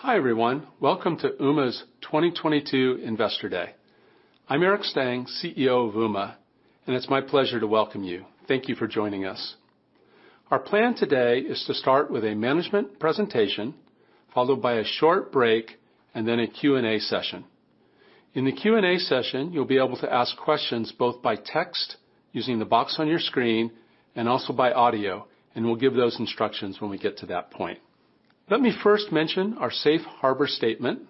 Hi, everyone. Welcome to Ooma's 2022 Investor Day. I'm Eric Stang, CEO of Ooma, and it's my pleasure to welcome you. Thank you for joining us. Our plan today is to start with a management presentation, followed by a short break and then a Q&A session. In the Q&A session, you'll be able to ask questions both by text using the box on your screen and also by audio, and we'll give those instructions when we get to that point. Let me first mention our Safe Harbor statement.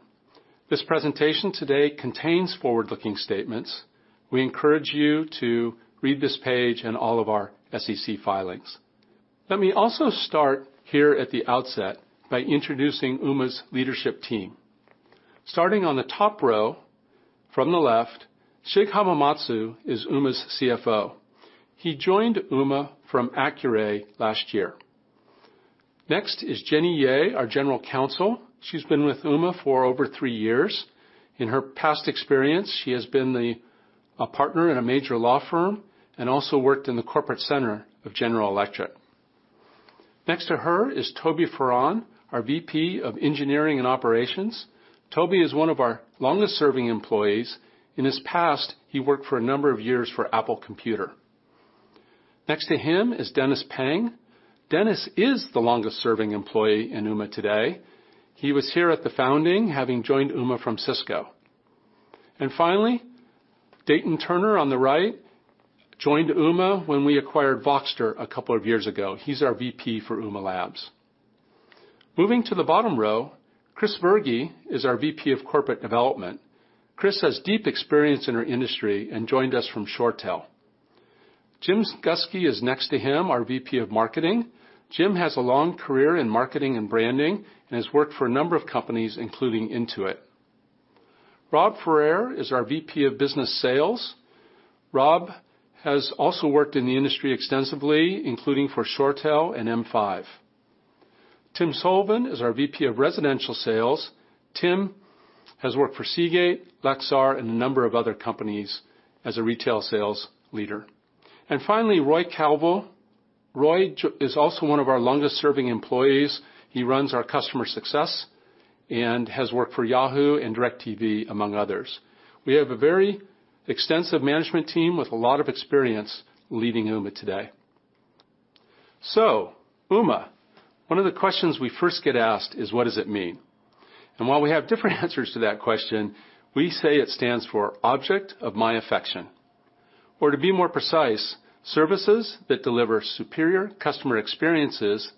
This presentation today contains forward-looking statements. We encourage you to read this page and all of our SEC filings. Let me also start here at the outset by introducing Ooma's leadership team. Starting on the top row, from the left, Shig Hamamatsu is Ooma's CFO. He joined Ooma from Akur8 last year. Next is Jenny Yeh, our General Counsel. She's been with Ooma for over three years. In her past experience, she has been the partner in a major law firm and also worked in the corporate center of General Electric. Next to her is Toby Farrand, our VP of Engineering and Operations. Toby is one of our longest-serving employees. In his past, he worked for a number of years for Apple Computer. Next to him is Dennis Peng. Dennis is the longest-serving employee in Ooma today. He was here at the founding, having joined Ooma from Cisco. Finally, Dayton Turner on the right joined Ooma when we acquired Voxter a couple of years ago. He's our VP for Ooma Labs. Moving to the bottom row, Chris Burgy is our VP of Corporate Development. Chris has deep experience in our industry and joined us from ShoreTel. Jim Gustke is next to him, our VP of Marketing. Jim has a long career in marketing and branding, and has worked for a number of companies, including Intuit. Rob Ferrer is our VP of Business Sales. Rob has also worked in the industry extensively, including for ShoreTel and M5. Tim Sullivan is our VP of Residential Sales. Tim has worked for Seagate, Lexar, and a number of other companies as a retail sales leader. Finally, Roy Calvo is also one of our longest-serving employees. He runs our customer success and has worked for Yahoo and DirecTV, among others. We have a very extensive management team with a lot of experience leading Ooma today. Ooma, one of the questions we first get asked is, what does it mean? While we have different answers to that question, we say it stands for Object of My Affection, or to be more precise, services that deliver superior customer experiences,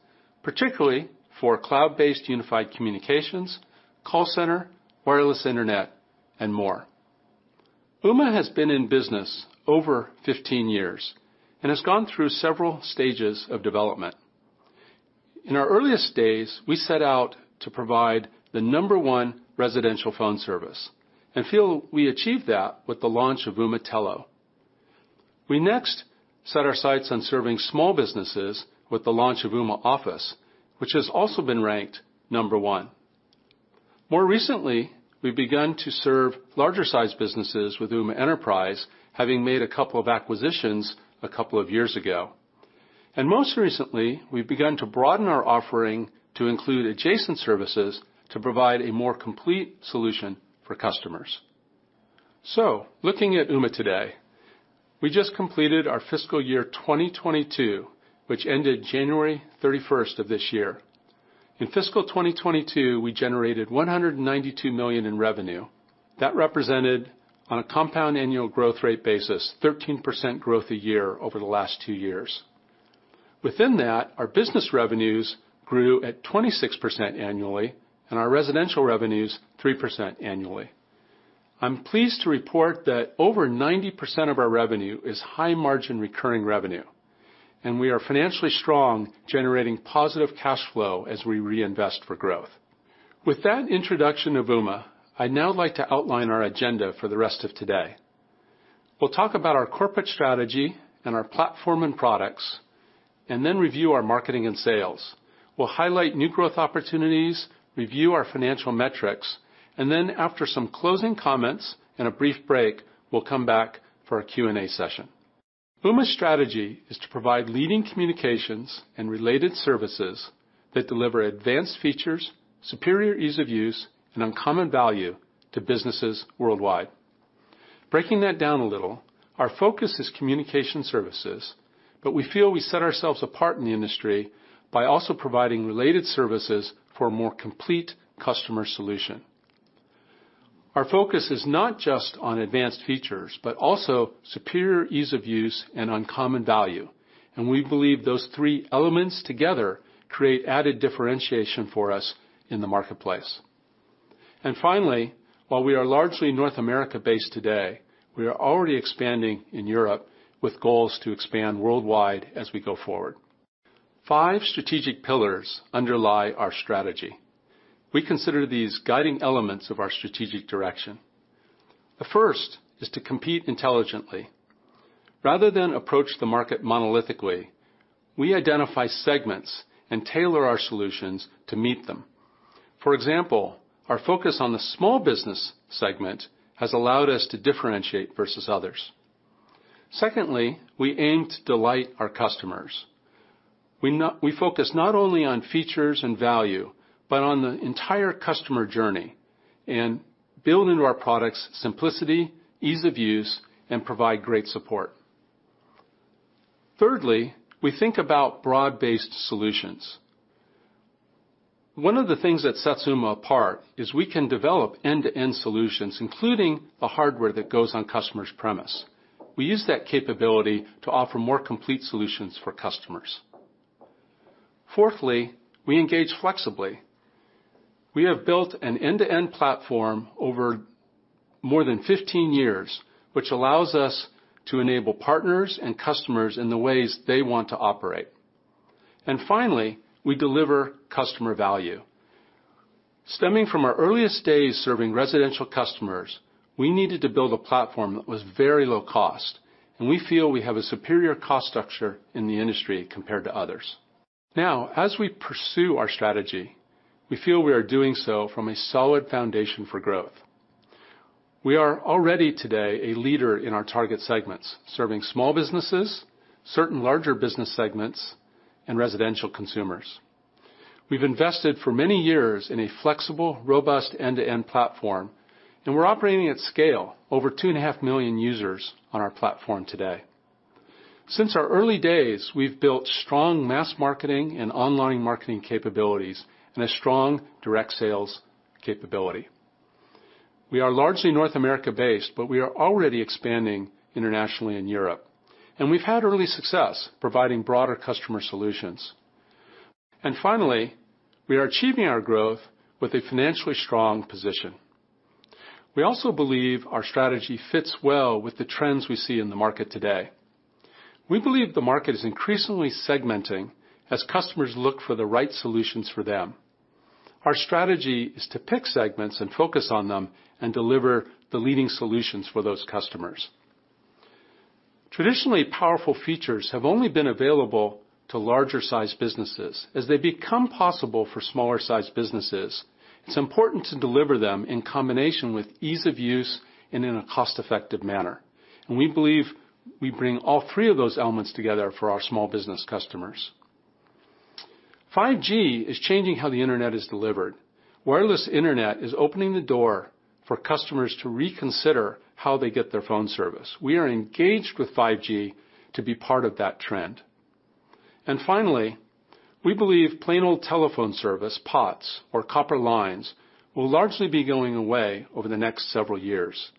particularly for cloud-based unified communications, call center, wireless internet, and more. Ooma has been in business over 15 years and has gone through several stages of development. In our earliest days, we set out to provide the number one residential phone service and feel we achieved that with the launch of Ooma Telo. We next set our sights on serving small businesses with the launch of Ooma Office, which has also been ranked number one. More recently, we've begun to serve larger-sized businesses with Ooma Enterprise, having made a couple of acquisitions a couple of years ago. Most recently, we've begun to broaden our offering to include adjacent services to provide a more complete solution for customers. Looking at Ooma today, we just completed our fiscal year 2022, which ended January 31st of this year. In fiscal 2022, we generated $192 million in revenue. That represented, on a compound annual growth rate basis, 13% growth a year over the last two years. Within that, our business revenues grew at 26% annually and our Residential revenues, 3% annually. I'm pleased to report that over 90% of our revenue is high-margin recurring revenue, and we are financially strong, generating positive cash flow as we reinvest for growth. With that introduction of Ooma, I'd now like to outline our agenda for the rest of today. We'll talk about our corporate strategy and our platform and products, and then review our marketing and sales. We'll highlight new growth opportunities, review our financial metrics, and then after some closing comments and a brief break, we'll come back for our Q&A session. Ooma's strategy is to provide leading communications and related services that deliver advanced features, superior ease of use, and uncommon value to businesses worldwide. Breaking that down a little, our focus is communication services, but we feel we set ourselves apart in the industry by also providing related services for a more complete customer solution. Our focus is not just on advanced features, but also superior ease of use and uncommon value, and we believe those three elements together create added differentiation for us in the marketplace. Finally, while we are largely North America-based today, we are already expanding in Europe with goals to expand worldwide as we go forward. Five strategic pillars underlie our strategy. We consider these guiding elements of our strategic direction. The first is to compete intelligently. Rather than approach the market monolithically, we identify segments and tailor our solutions to meet them. For example, our focus on the small business segment has allowed us to differentiate versus others. Secondly, we aim to delight our customers. We focus not only on features and value, but on the entire customer journey, and build into our products simplicity, ease of use, and provide great support. Thirdly, we think about broad-based solutions. One of the things that sets Ooma apart is we can develop end-to-end solutions, including the hardware that goes on customers' premises. We use that capability to offer more complete solutions for customers. Fourthly, we engage flexibly. We have built an end-to-end platform over more than 15 years, which allows us to enable partners and customers in the ways they want to operate. Finally, we deliver customer value. Stemming from our earliest days serving Residential customers, we needed to build a platform that was very low cost, and we feel we have a superior cost structure in the industry compared to others. Now, as we pursue our strategy, we feel we are doing so from a solid foundation for growth. We are already today a leader in our target segments, serving small businesses, certain larger business segments, and Residential consumers. We've invested for many years in a flexible, robust end-to-end platform, and we're operating at scale, over 2.5 million users on our platform today. Since our early days, we've built strong mass marketing and online marketing capabilities, and a strong direct sales capability. We are largely North America-based, but we are already expanding internationally in Europe, and we've had early success providing broader customer solutions. Finally, we are achieving our growth with a financially strong position. We also believe our strategy fits well with the trends we see in the market today. We believe the market is increasingly segmenting as customers look for the right solutions for them. Our strategy is to pick segments and focus on them and deliver the leading solutions for those customers. Traditionally, powerful features have only been available to larger-sized businesses. As they become possible for smaller-sized businesses, it's important to deliver them in combination with ease of use and in a cost-effective manner. We believe we bring all three of those elements together for our small business customers. 5G is changing how the internet is delivered. Wireless internet is opening the door for customers to reconsider how they get their phone service. We are engaged with 5G to be part of that trend. Finally, we believe plain old telephone service, POTS, or copper lines, will largely be going away over the next several years.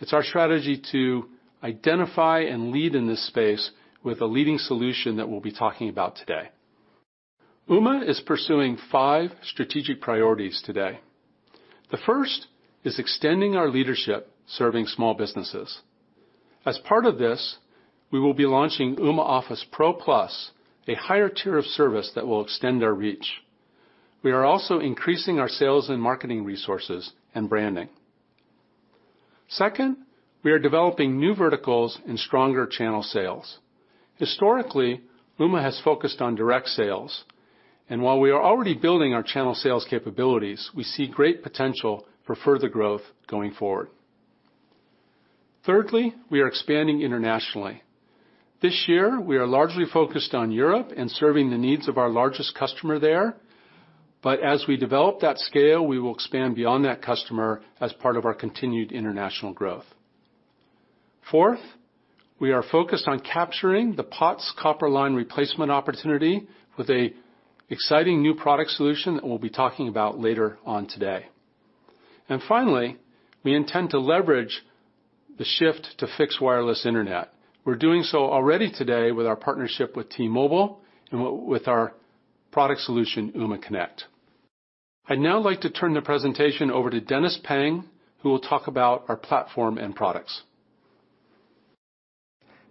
It's our strategy to identify and lead in this space with a leading solution that we'll be talking about today. Ooma is pursuing five strategic priorities today. The first is extending our leadership serving small businesses. As part of this, we will be launching Ooma Office Pro Plus, a higher tier of service that will extend our reach. We are also increasing our sales and marketing resources and branding. Second, we are developing new verticals and stronger channel sales. Historically, Ooma has focused on direct sales, and while we are already building our channel sales capabilities, we see great potential for further growth going forward. Thirdly, we are expanding internationally. This year, we are largely focused on Europe and serving the needs of our largest customer there. As we develop that scale, we will expand beyond that customer as part of our continued international growth. Fourth, we are focused on capturing the POTS copper line replacement opportunity with an exciting new product solution that we'll be talking about later on today. Finally, we intend to leverage the shift to fixed wireless internet. We're doing so already today with our partnership with T-Mobile and with our product solution, Ooma Connect. I'd now like to turn the presentation over to Dennis Peng, who will talk about our platform and products.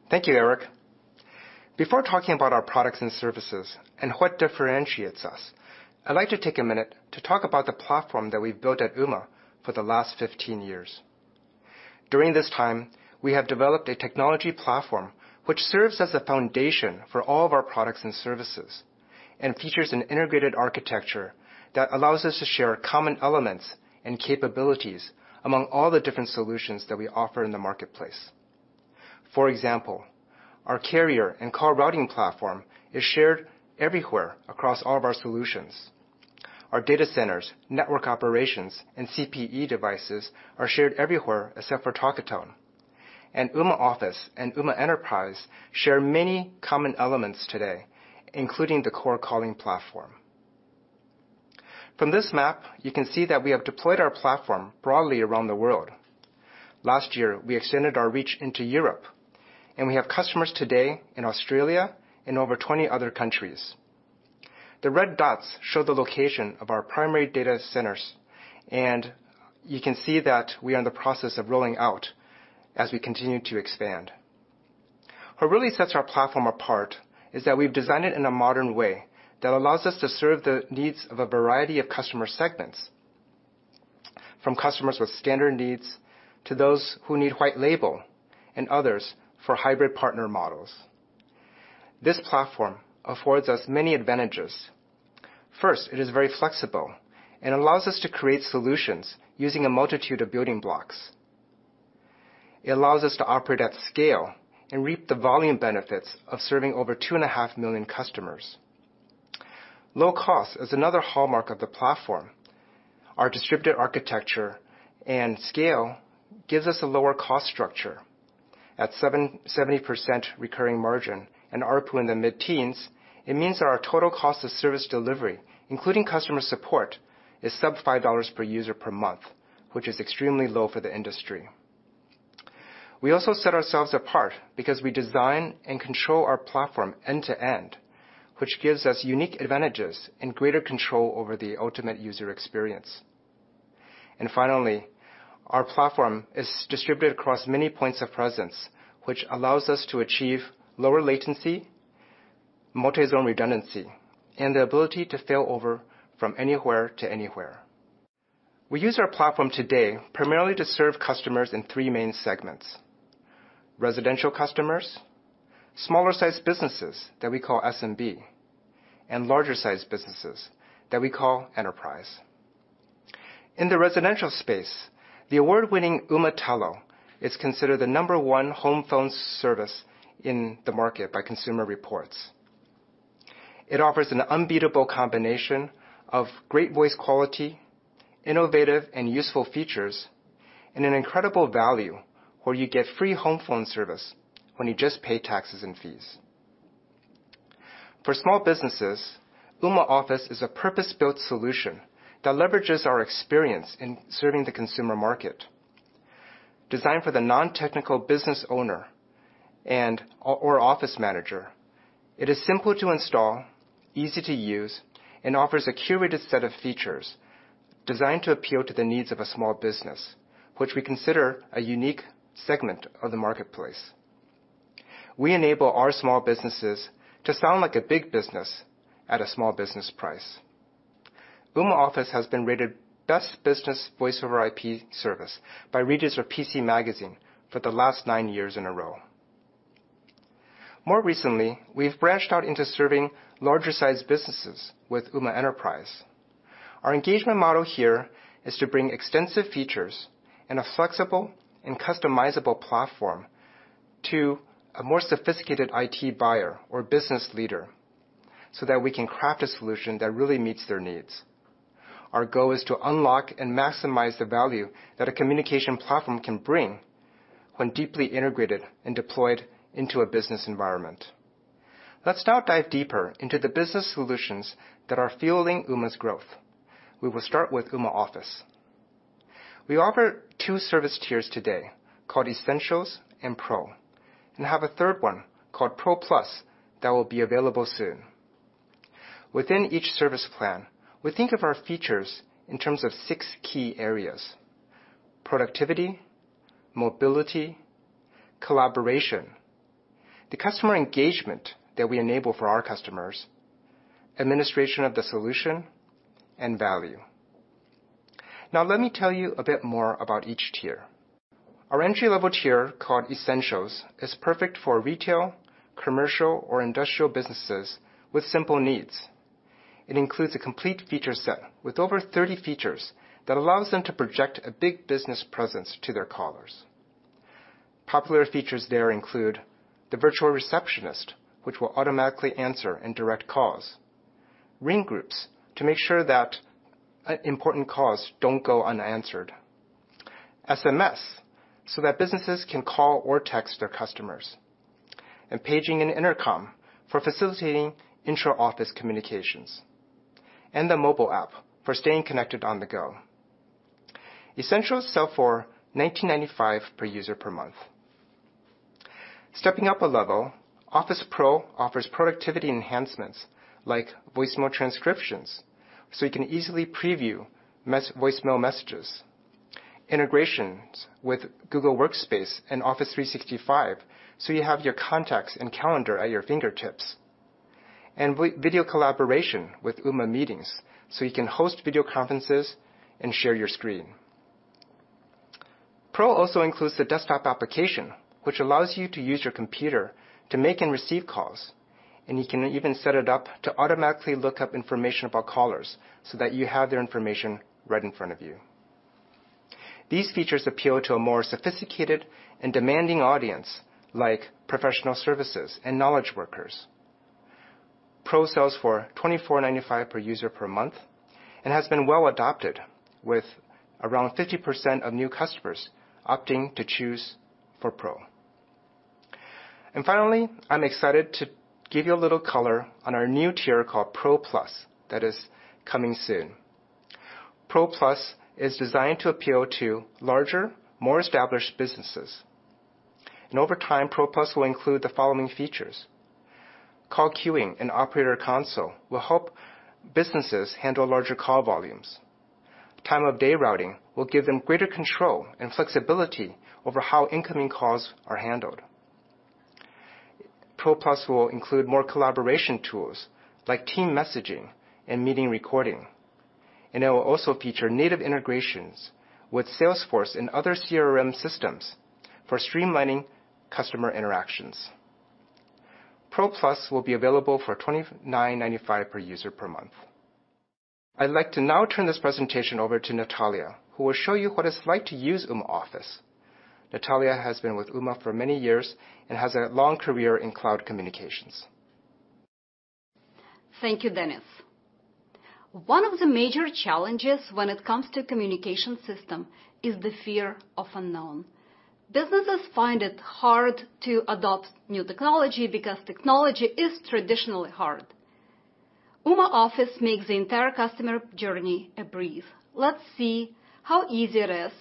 Thank you, Eric. Before talking about our products and services and what differentiates us, I'd like to take a minute to talk about the platform that we've built at Ooma for the last 15 years. During this time, we have developed a technology platform which serves as the foundation for all of our products and services, and features an integrated architecture that allows us to share common elements and capabilities among all the different solutions that we offer in the marketplace. For example, our carrier and call routing platform is shared everywhere across all of our solutions. Our data centers, network operations, and CPE devices are shared everywhere except for Talkatone. Ooma Office and Ooma Enterprise share many common elements today, including the core calling platform. From this map, you can see that we have deployed our platform broadly around the world. Last year, we extended our reach into Europe, and we have customers today in Australia and over 20 other countries. The red dots show the location of our primary data centers, and you can see that we are in the process of rolling out as we continue to expand. What really sets our platform apart is that we've designed it in a modern way that allows us to serve the needs of a variety of customer segments, from customers with standard needs to those who need white label, and others for hybrid partner models. This platform affords us many advantages. First, it is very flexible and allows us to create solutions using a multitude of building blocks. It allows us to operate at scale and reap the volume benefits of serving over 2.5 million customers. Low cost is another hallmark of the platform. Our distributed architecture and scale gives us a lower cost structure at 70% recurring margin and ARPU in the mid-teens. It means that our total cost of service delivery, including customer support, is sub $5 per user per month, which is extremely low for the industry. We also set ourselves apart because we design and control our platform end-to-end, which gives us unique advantages and greater control over the ultimate user experience. Finally, our platform is distributed across many points of presence, which allows us to achieve lower latency, multi-zone redundancy, and the ability to fail over from anywhere to anywhere. We use our platform today primarily to serve customers in three main segments: Residential customers, smaller-sized businesses that we call SMB, and larger-sized businesses that we call Enterprise. In the Residential space, the award-winning Ooma Telo is considered the number one home phone service in the market by Consumer Reports. It offers an unbeatable combination of great voice quality, innovative and useful features, and an incredible value where you get free home phone service when you just pay taxes and fees. For small businesses, Ooma Office is a purpose-built solution that leverages our experience in serving the consumer market. Designed for the non-technical business owner and/or office manager, it is simple to install, easy-to-use, and offers a curated set of features designed to appeal to the needs of a small business, which we consider a unique segment of the marketplace. We enable our small businesses to sound like a big business at a small business price. Ooma Office has been rated Best Business Voice over IP Service by readers of PC Magazine for the last nine years in a row. More recently, we've branched out into serving larger-sized businesses with Ooma Enterprise. Our engagement model here is to bring extensive features in a flexible and customizable platform to a more sophisticated IT buyer or business leader so that we can craft a solution that really meets their needs. Our goal is to unlock and maximize the value that a communication platform can bring when deeply integrated and deployed into a business environment. Let's now dive deeper into the business solutions that are fueling Ooma's growth. We will start with Ooma Office. We offer two service tiers today, called Essentials and Pro, and have a third one called Pro Plus that will be available soon. Within each service plan, we think of our features in terms of six key areas: productivity, mobility, collaboration, the customer engagement that we enable for our customers, administration of the solution, and value. Now, let me tell you a bit more about each tier. Our entry-level tier, called Essentials, is perfect for retail, commercial, or industrial businesses with simple needs. It includes a complete feature set with over 30 features that allows them to project a big business presence to their callers. Popular features there include the virtual receptionist, which will automatically answer and direct calls, ring groups to make sure that important calls don't go unanswered, SMS so that businesses can call or text their customers, and paging and intercom for facilitating intra-office communications, and a mobile app for staying connected on the go. Essentials sell for $19.95 per user per month. Stepping up a level, Office Pro offers productivity enhancements like voicemail transcriptions, so you can easily preview voicemail messages, integrations with Google Workspace and Office 365, so you have your contacts and calendar at your fingertips, and video collaboration with Ooma Meetings, so you can host video conferences and share your screen. Pro also includes the desktop application, which allows you to use your computer to make and receive calls, and you can even set it up to automatically look up information about callers so that you have their information right in front of you. These features appeal to a more sophisticated and demanding audience, like professional services and knowledge workers. Pro sells for $24.95 per user per month and has been well adopted, with around 50% of new customers opting to choose for Pro. Finally, I'm excited to give you a little color on our new tier called Pro Plus that is coming soon. Pro Plus is designed to appeal to larger, more established businesses. Over time, Pro Plus will include the following features. Call queuing and operator console will help businesses handle larger call volumes. Time of day routing will give them greater control and flexibility over how incoming calls are handled. Pro Plus will include more collaboration tools like team messaging and meeting recording. It will also feature native integrations with Salesforce and other CRM systems for streamlining customer interactions. Pro Plus will be available for $29.95 per user per month. I'd like to now turn this presentation over to Natalia, who will show you what it's like to use Ooma Office. Natalia has been with Ooma for many years and has a long career in cloud communications. Thank you, Dennis. One of the major challenges when it comes to communication system is the fear of unknown. Businesses find it hard to adopt new technology because technology is traditionally hard. Ooma Office makes the entire customer journey a breeze. Let's see how easy it is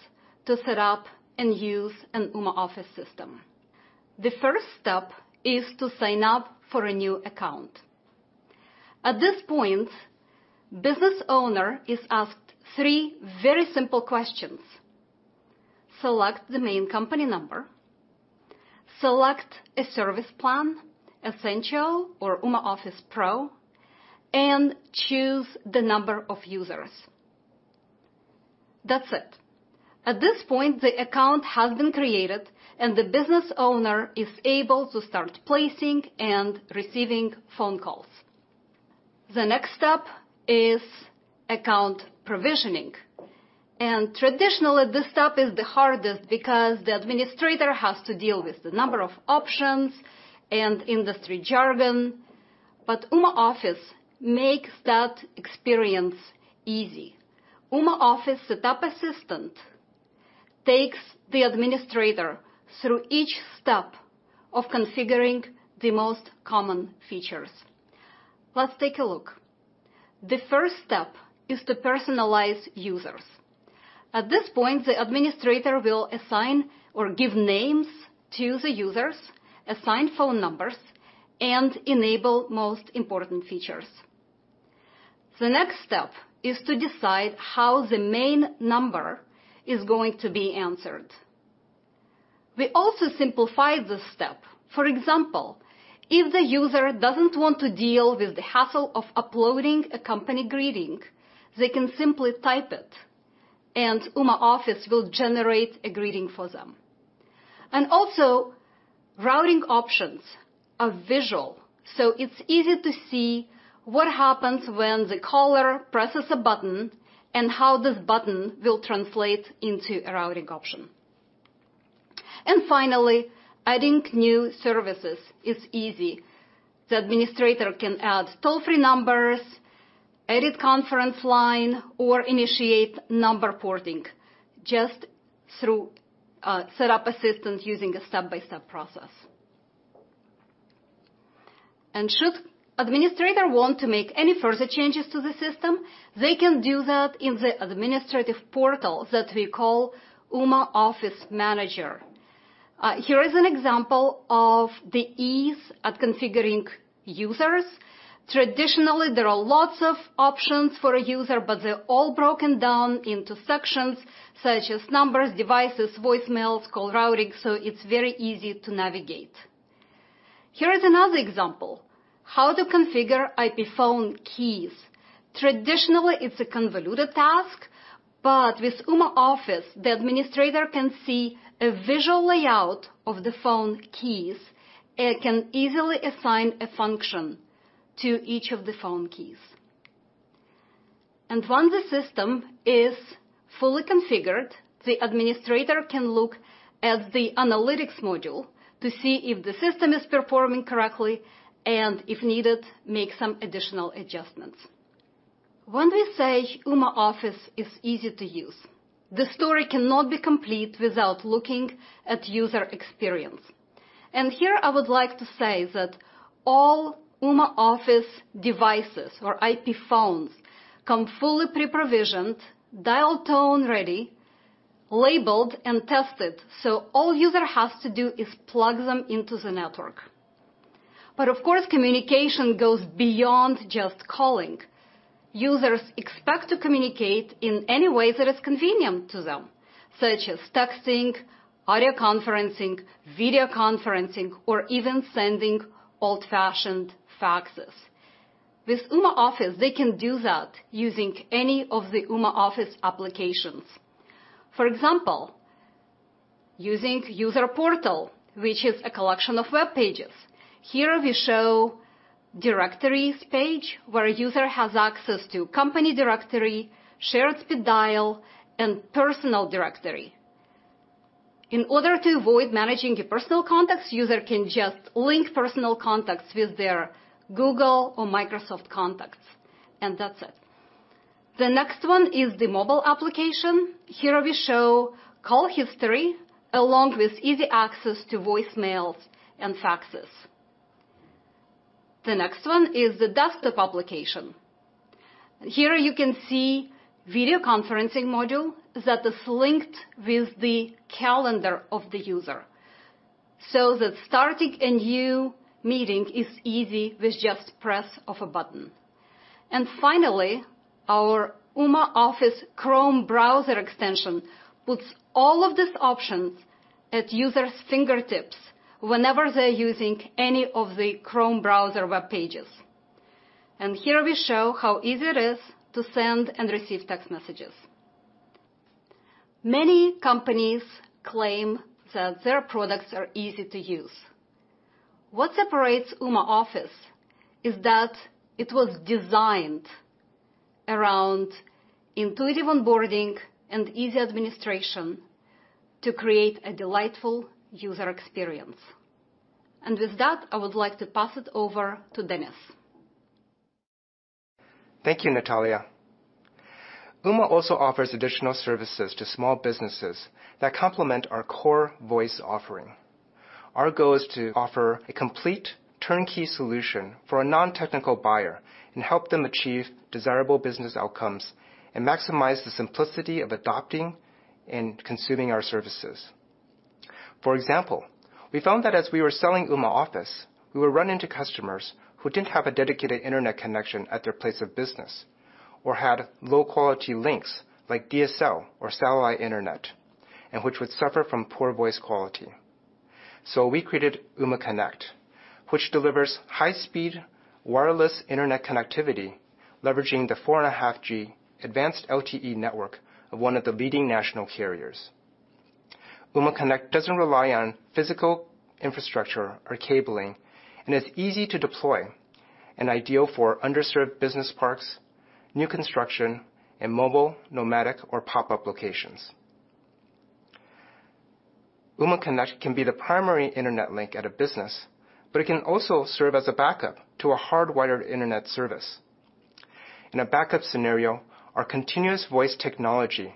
to set up and use an Ooma Office system. The first step is to sign up for a new account. At this point, the business owner is asked three very simple questions. Select the main company number, select a service plan, Essential or Ooma Office Pro, and choose the number of users. That's it. At this point, the account has been created, and the business owner is able to start placing and receiving phone calls. The next step is account provisioning. Traditionally, this step is the hardest because the administrator has to deal with the number of options and industry jargon, but Ooma Office makes that experience easy. Ooma Office Setup Assistant takes the administrator through each step of configuring the most common features. Let's take a look. The first step is to personalize users. At this point, the administrator will assign or give names to the users, assign phone numbers, and enable most important features. The next step is to decide how the main number is going to be answered. We also simplified this step. For example, if the user doesn't want to deal with the hassle of uploading a company greeting, they can simply type it, and Ooma Office will generate a greeting for them. Also, routing options are visual, so it's easy to see what happens when the caller presses a button and how this button will translate into a routing option. Finally, adding new services is easy. The administrator can add toll-free numbers, edit conference line, or initiate number porting just through Setup Assistant using a step-by-step process. Should administrator want to make any further changes to the system, they can do that in the administrative portal that we call Ooma Office Manager. Here is an example of the ease of configuring users. Traditionally, there are lots of options for a user, but they're all broken down into sections such as numbers, devices, voicemails, call routing, so it's very easy to navigate. Here is another example, how to configure IP phone keys. Traditionally, it's a convoluted task, but with Ooma Office, the administrator can see a visual layout of the phone keys and can easily assign a function to each of the phone keys. Once the system is fully configured, the administrator can look at the analytics module to see if the system is performing correctly, and if needed, make some additional adjustments. When we say Ooma Office is easy-to-use, the story cannot be complete without looking at user experience. Here I would like to say that all Ooma Office devices or IP phones come fully pre-provisioned, dial tone ready, labeled, and tested. All a user has to do is plug them into the network. Of course, communication goes beyond just calling. Users expect to communicate in any way that is convenient to them, such as texting, audio conferencing, video conferencing, or even sending old-fashioned faxes. With Ooma Office, they can do that using any of the Ooma Office applications. For example, using user portal, which is a collection of web pages. Here we show directories page where a user has access to company directory, shared speed dial, and personal directory. In order to avoid managing your personal contacts, user can just link personal contacts with their Google or Microsoft contacts, and that's it. The next one is the mobile application. Here we show call history along with easy access to voicemails and faxes. The next one is the desktop application. Here you can see video conferencing module that is linked with the calendar of the user. That starting a new meeting is easy with just press of a button. Finally, our Ooma Office Chrome browser extension puts all of these options at user's fingertips whenever they're using any of the Chrome browser web pages. Here we show how easy it is to send and receive text messages. Many companies claim that their products are easy-to-use. What separates Ooma Office is that it was designed around intuitive onboarding and easy administration to create a delightful user experience. With that, I would like to pass it over to Dennis. Thank you, Natalia. Ooma also offers additional services to small businesses that complement our core voice offering. Our goal is to offer a complete turnkey solution for a non-technical buyer and help them achieve desirable business outcomes and maximize the simplicity of adopting and consuming our services. For example, we found that as we were selling Ooma Office, we would run into customers who didn't have a dedicated internet connection at their place of business or had low-quality links like DSL or satellite internet, and which would suffer from poor voice quality. We created Ooma Connect, which delivers high-speed wireless internet connectivity, leveraging the 4.5G advanced LTE network of one of the leading national carriers. Ooma Connect doesn't rely on physical infrastructure or cabling, and it's easy to deploy and ideal for underserved business parks, new construction, and mobile, nomadic, or pop-up locations. Ooma Connect can be the primary internet link at a business, but it can also serve as a backup to a hardwired internet service. In a backup scenario, our continuous voice technology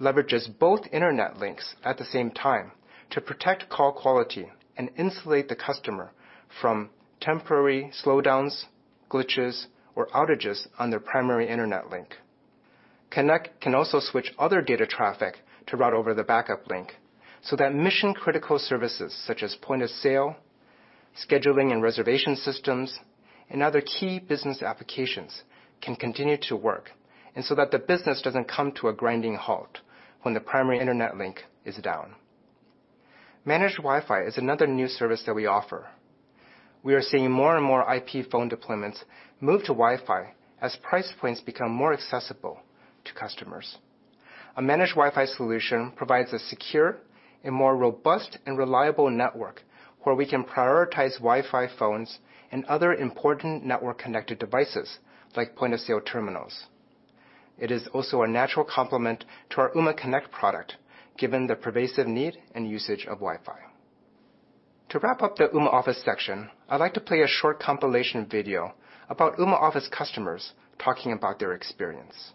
leverages both internet links at the same time to protect call quality and insulate the customer from temporary slowdowns, glitches, or outages on their primary internet link. Connect can also switch other data traffic to route over the backup link so that mission-critical services such as point of sale, scheduling and reservation systems, and other key business applications can continue to work, and so that the business doesn't come to a grinding halt when the primary internet link is down. Managed Wi-Fi is another new service that we offer. We are seeing more and more IP phone deployments move to Wi-Fi as price points become more accessible to customers. A Managed Wi-Fi solution provides a secure and more robust and reliable network where we can prioritize Wi-Fi phones and other important network-connected devices like point-of-sale terminals. It is also a natural complement to our Ooma Connect product, given the pervasive need and usage of Wi-Fi. To wrap up the Ooma Office section, I'd like to play a short compilation video about Ooma Office customers talking about their experience.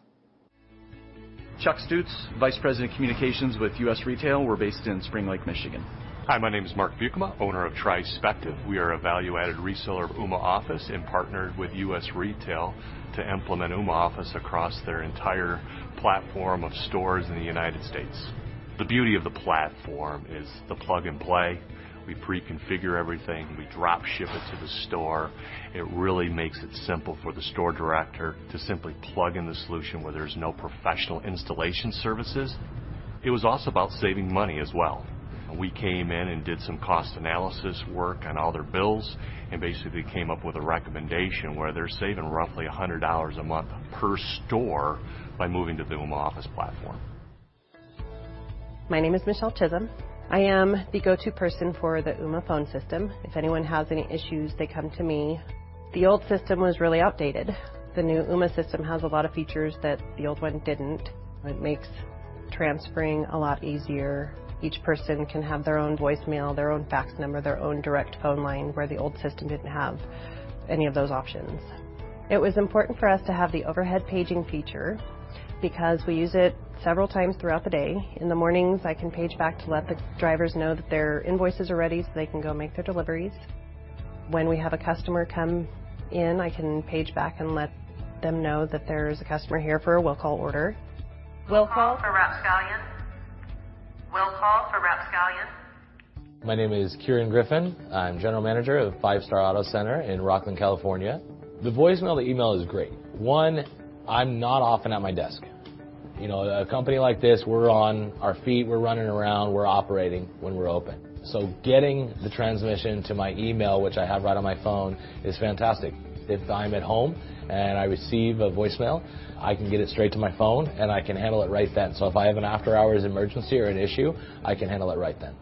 Chuck Stutes, Vice President Communications with U.S. Retail. We're based in Spring Lake, Michigan. Hi, my name is Mark Buikema, Owner of Trispective. We are a value-added reseller of Ooma Office and partnered with U.S. Retail to implement Ooma Office across their entire platform of stores in the United States. The beauty of the platform is the plug-and-play. We pre-configure everything. We drop ship it to the store. It really makes it simple for the store director to simply plug in the solution where there's no professional installation services. It was also about saving money as well. We came in and did some cost analysis work on all their bills and basically came up with a recommendation where they're saving roughly $100 a month per store by moving to the Ooma Office platform. My name is Michelle Chisholm. I am the go-to person for the Ooma phone system. If anyone has any issues, they come to me. The old system was really outdated. The new Ooma system has a lot of features that the old one didn't. It makes transferring a lot easier. Each person can have their own voicemail, their own fax number, their own direct phone line, where the old system didn't have any of those options. It was important for us to have the overhead paging feature because we use it several times throughout the day. In the mornings, I can page back to let the drivers know that their invoices are ready so they can go make their deliveries. When we have a customer come in, I can page back and let them know that there's a customer here for a will call order. Will call for rapscallion. Will call for rapscallion. My name is Kieran Griffin. I'm General Manager of Five Star Auto Center in Rocklin, California. The voicemail to email is great. One, I'm not often at my desk. You know, a company like this, we're on our feet, we're running around, we're operating when we're open. Getting the transmission to my email, which I have right on my phone, is fantastic. If I'm at home and I receive a voicemail, I can get it straight to my phone, and I can handle it right then. If I have an after-hours emergency or an issue, I can handle it right then.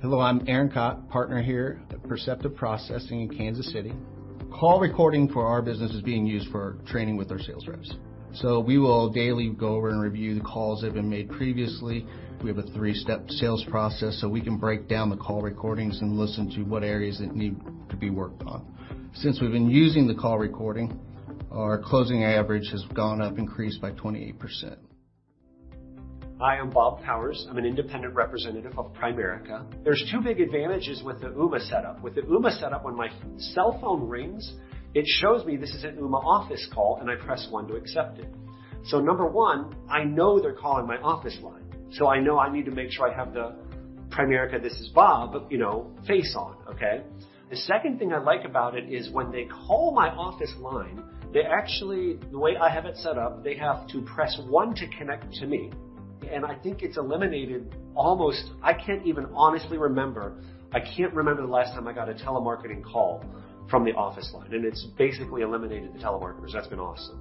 Hello, I'm Aaron Kott, Partner here at Perceptive Processing in Kansas City. Call recording for our business is being used for training with our sales reps. We will daily go over and review the calls that have been made previously. We have a three-step sales process, so we can break down the call recordings and listen to what areas that need to be worked on. Since we've been using the call recording, our closing average has gone up, increased by 28%. I am Bob Powers. I'm an Independent Representative of Primerica. There's two big advantages with the Ooma setup. With the Ooma setup, when my cell phone rings, it shows me this is an Ooma Office call, and I press one to accept it. Number one, I know they're calling my office line, so I know I need to make sure I have the Primerica, this is Bob, you know, face on. Okay. The second thing I like about it is when they call my office line, they actually, the way I have it set up, they have to press one to connect to me. I think it's eliminated almost. I can't even honestly remember. I can't remember the last time I got a telemarketing call from the office line, and it's basically eliminated the telemarketers. That's been awesome.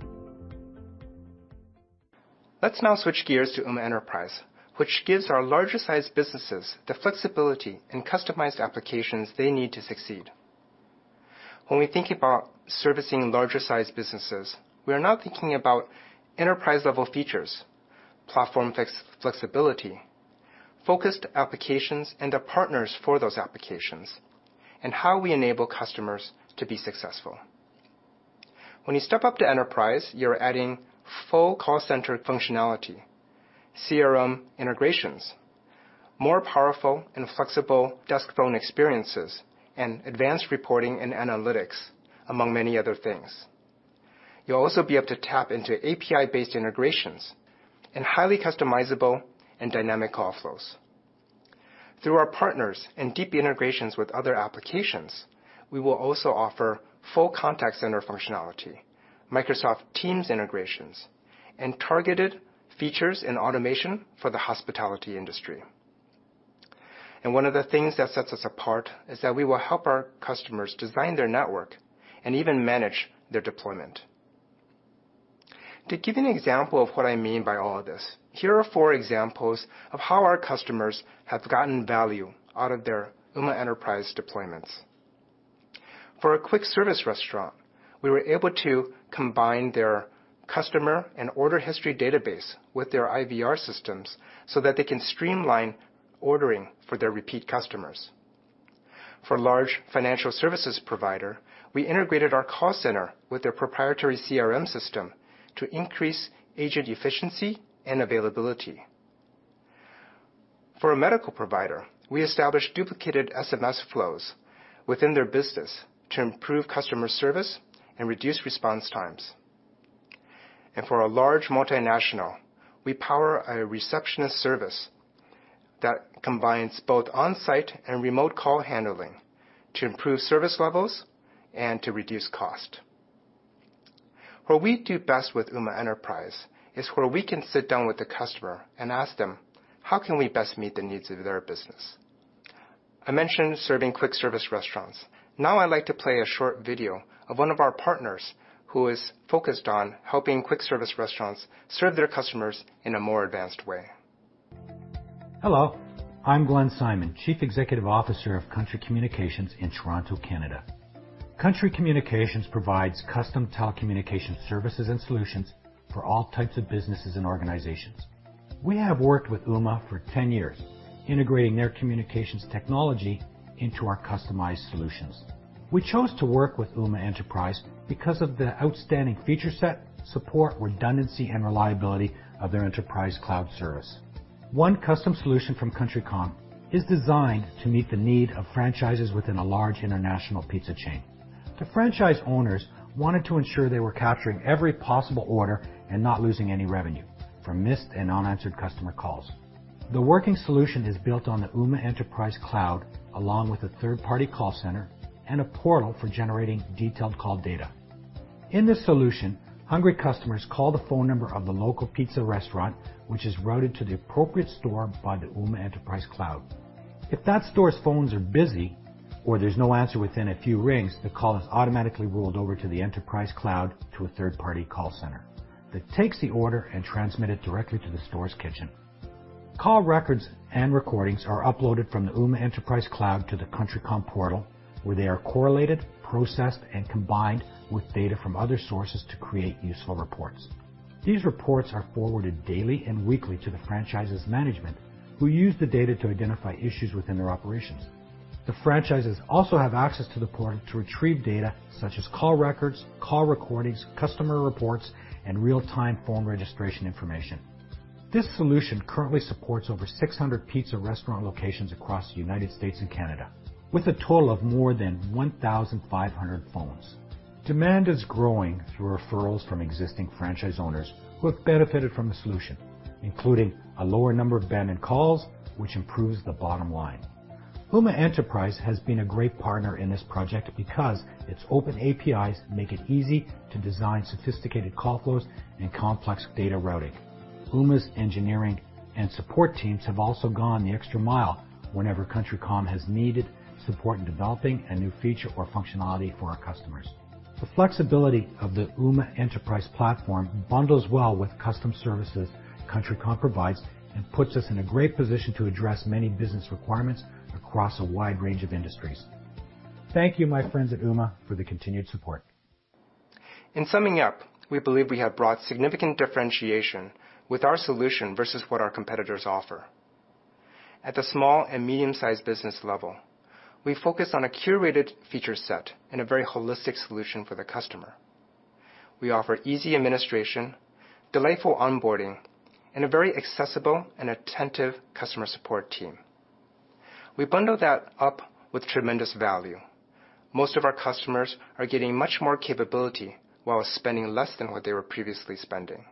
Let's now switch gears to Ooma Enterprise, which gives our larger sized businesses the flexibility and customized applications they need to succeed. When we think about servicing larger sized businesses, we are now thinking about enterprise-level features, platform flexibility, focused applications, and the partners for those applications, and how we enable customers to be successful. When you step up to enterprise, you're adding full call center functionality, CRM integrations, more powerful and flexible desk phone experiences, and advanced reporting and analytics, among many other things. You'll also be able to tap into API-based integrations and highly customizable and dynamic call flows. Through our partners and deep integrations with other applications, we will also offer full contact center functionality, Microsoft Teams integrations, and targeted features and automation for the hospitality industry. One of the things that sets us apart is that we will help our customers design their network and even manage their deployment. To give you an example of what I mean by all of this, here are four examples of how our customers have gotten value out of their Ooma Enterprise deployments. For a quick service restaurant, we were able to combine their customer and order history database with their IVR systems so that they can streamline ordering for their repeat customers. For a large financial services provider, we integrated our call center with their proprietary CRM system to increase agent efficiency and availability. For a medical provider, we established duplicated SMS flows within their business to improve customer service and reduce response times. For a large multinational, we power a receptionist service that combines both on-site and remote call handling to improve service levels and to reduce cost. Where we do best with Ooma Enterprise is where we can sit down with the customer and ask them, how can we best meet the needs of their business? I mentioned serving quick service restaurants. Now I'd like to play a short video of one of our partners who is focused on helping quick service restaurants serve their customers in a more advanced way. Hello, I'm Glenn Simon, Chief Executive Officer of Country Communications in Toronto, Canada. Country Communications provides custom telecommunications services and solutions for all types of businesses and organizations. We have worked with Ooma for 10 years, integrating their communications technology into our customized solutions. We chose to work with Ooma Enterprise because of the outstanding feature set, support, redundancy, and reliability of their Enterprise Cloud service. One custom solution from Country Comm is designed to meet the need of franchises within a large international pizza chain. The franchise owners wanted to ensure they were capturing every possible order and not losing any revenue from missed and unanswered customer calls. The working solution is built on the Ooma Enterprise Cloud, along with a third-party call center and a portal for generating detailed call data. In this solution, hungry customers call the phone number of the local pizza restaurant, which is routed to the appropriate store by the Ooma Enterprise Cloud. If that store's phones are busy or there's no answer within a few rings, the call is automatically rolled over to the Enterprise Cloud to a third-party call center that takes the order and transmit it directly to the store's kitchen. Call records and recordings are uploaded from the Ooma Enterprise Cloud to the Country Comm portal, where they are correlated, processed, and combined with data from other sources to create useful reports. These reports are forwarded daily and weekly to the franchise's management, who use the data to identify issues within their operations. The franchises also have access to the portal to retrieve data such as call records, call recordings, customer reports, and real-time phone registration information. This solution currently supports over 600 pizza restaurant locations across the United States and Canada, with a total of more than 1,500 phones. Demand is growing through referrals from existing franchise owners who have benefited from the solution, including a lower number of abandoned calls, which improves the bottom line. Ooma Enterprise has been a great partner in this project because its open APIs make it easy to design sophisticated call flows and complex data routing. Ooma's engineering and support teams have also gone the extra mile whenever Country Comm has needed support in developing a new feature or functionality for our customers. The flexibility of the Ooma Enterprise platform bundles well with custom services Country Comm provides and puts us in a great position to address many business requirements across a wide range of industries. Thank you, my friends at Ooma, for the continued support. In summing up, we believe we have brought significant differentiation with our solution versus what our competitors offer. At the small and medium-sized business level, we focus on a curated feature set and a very holistic solution for the customer. We offer easy administration, delightful onboarding, and a very accessible and attentive customer support team. We bundle that up with tremendous value. Most of our customers are getting much more capability while spending less than what they were previously spending.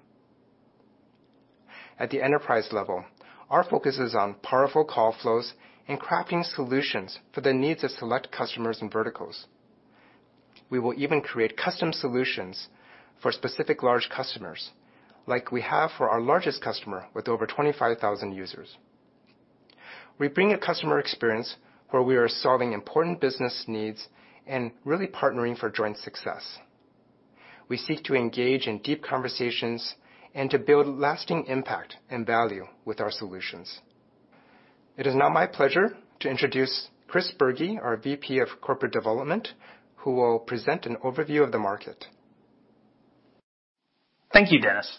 At the Enterprise level, our focus is on powerful call flows and crafting solutions for the needs of select customers and verticals. We will even create custom solutions for specific large customers, like we have for our largest customer with over 25,000 users. We bring a customer experience where we are solving important business needs and really partnering for joint success. We seek to engage in deep conversations and to build lasting impact and value with our solutions. It is now my pleasure to introduce Chris Burgy, our VP of Corporate Development, who will present an overview of the market. Thank you, Dennis.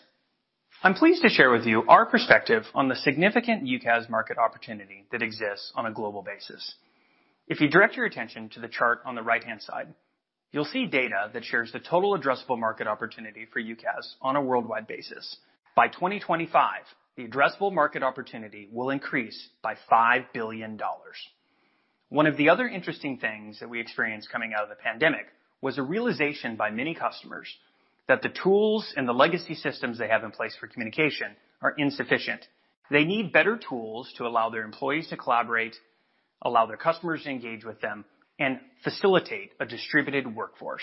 I'm pleased to share with you our perspective on the significant UCaaS market opportunity that exists on a global basis. If you direct your attention to the chart on the right-hand side, you'll see data that shares the total addressable market opportunity for UCaaS on a worldwide basis. By 2025, the addressable market opportunity will increase by $5 billion. One of the other interesting things that we experienced coming out of the pandemic was a realization by many customers that the tools and the legacy systems they have in place for communication are insufficient. They need better tools to allow their employees to collaborate, allow their customers to engage with them, and facilitate a distributed workforce.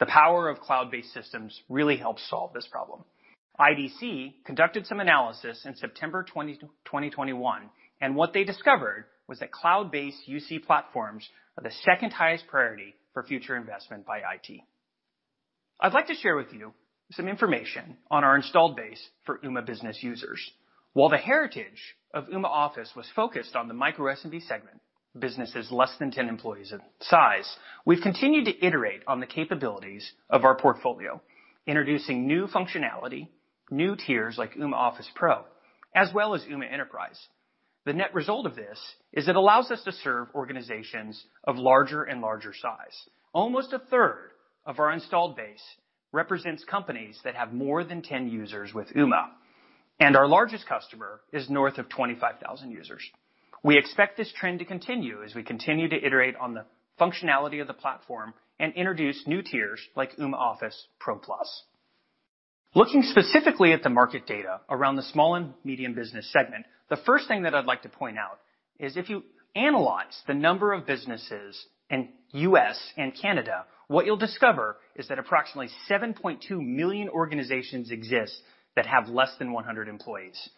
The power of cloud-based systems really help solve this problem. IDC conducted some analysis in September 2021, and what they discovered was that cloud-based UC platforms are the second highest priority for future investment by IT. I'd like to share with you some information on our installed base for Ooma Business users. While the heritage of Ooma Office was focused on the micro SMB segment, businesses less than 10 employees in size, we've continued to iterate on the capabilities of our portfolio, introducing new functionality, new tiers like Ooma Office Pro, as well as Ooma Enterprise. The net result of this is it allows us to serve organizations of larger and larger size. Almost 1/3 of our installed base represents companies that have more than 10 users with Ooma, and our largest customer is north of 25,000 users. We expect this trend to continue as we continue to iterate on the functionality of the platform and introduce new tiers like Ooma Office Pro Plus. Looking specifically at the market data around the small and medium business segment, the first thing that I'd like to point out is if you analyze the number of businesses in U.S. and Canada, what you'll discover is that approximately 7.2 million organizations exist that have less than 100 employees.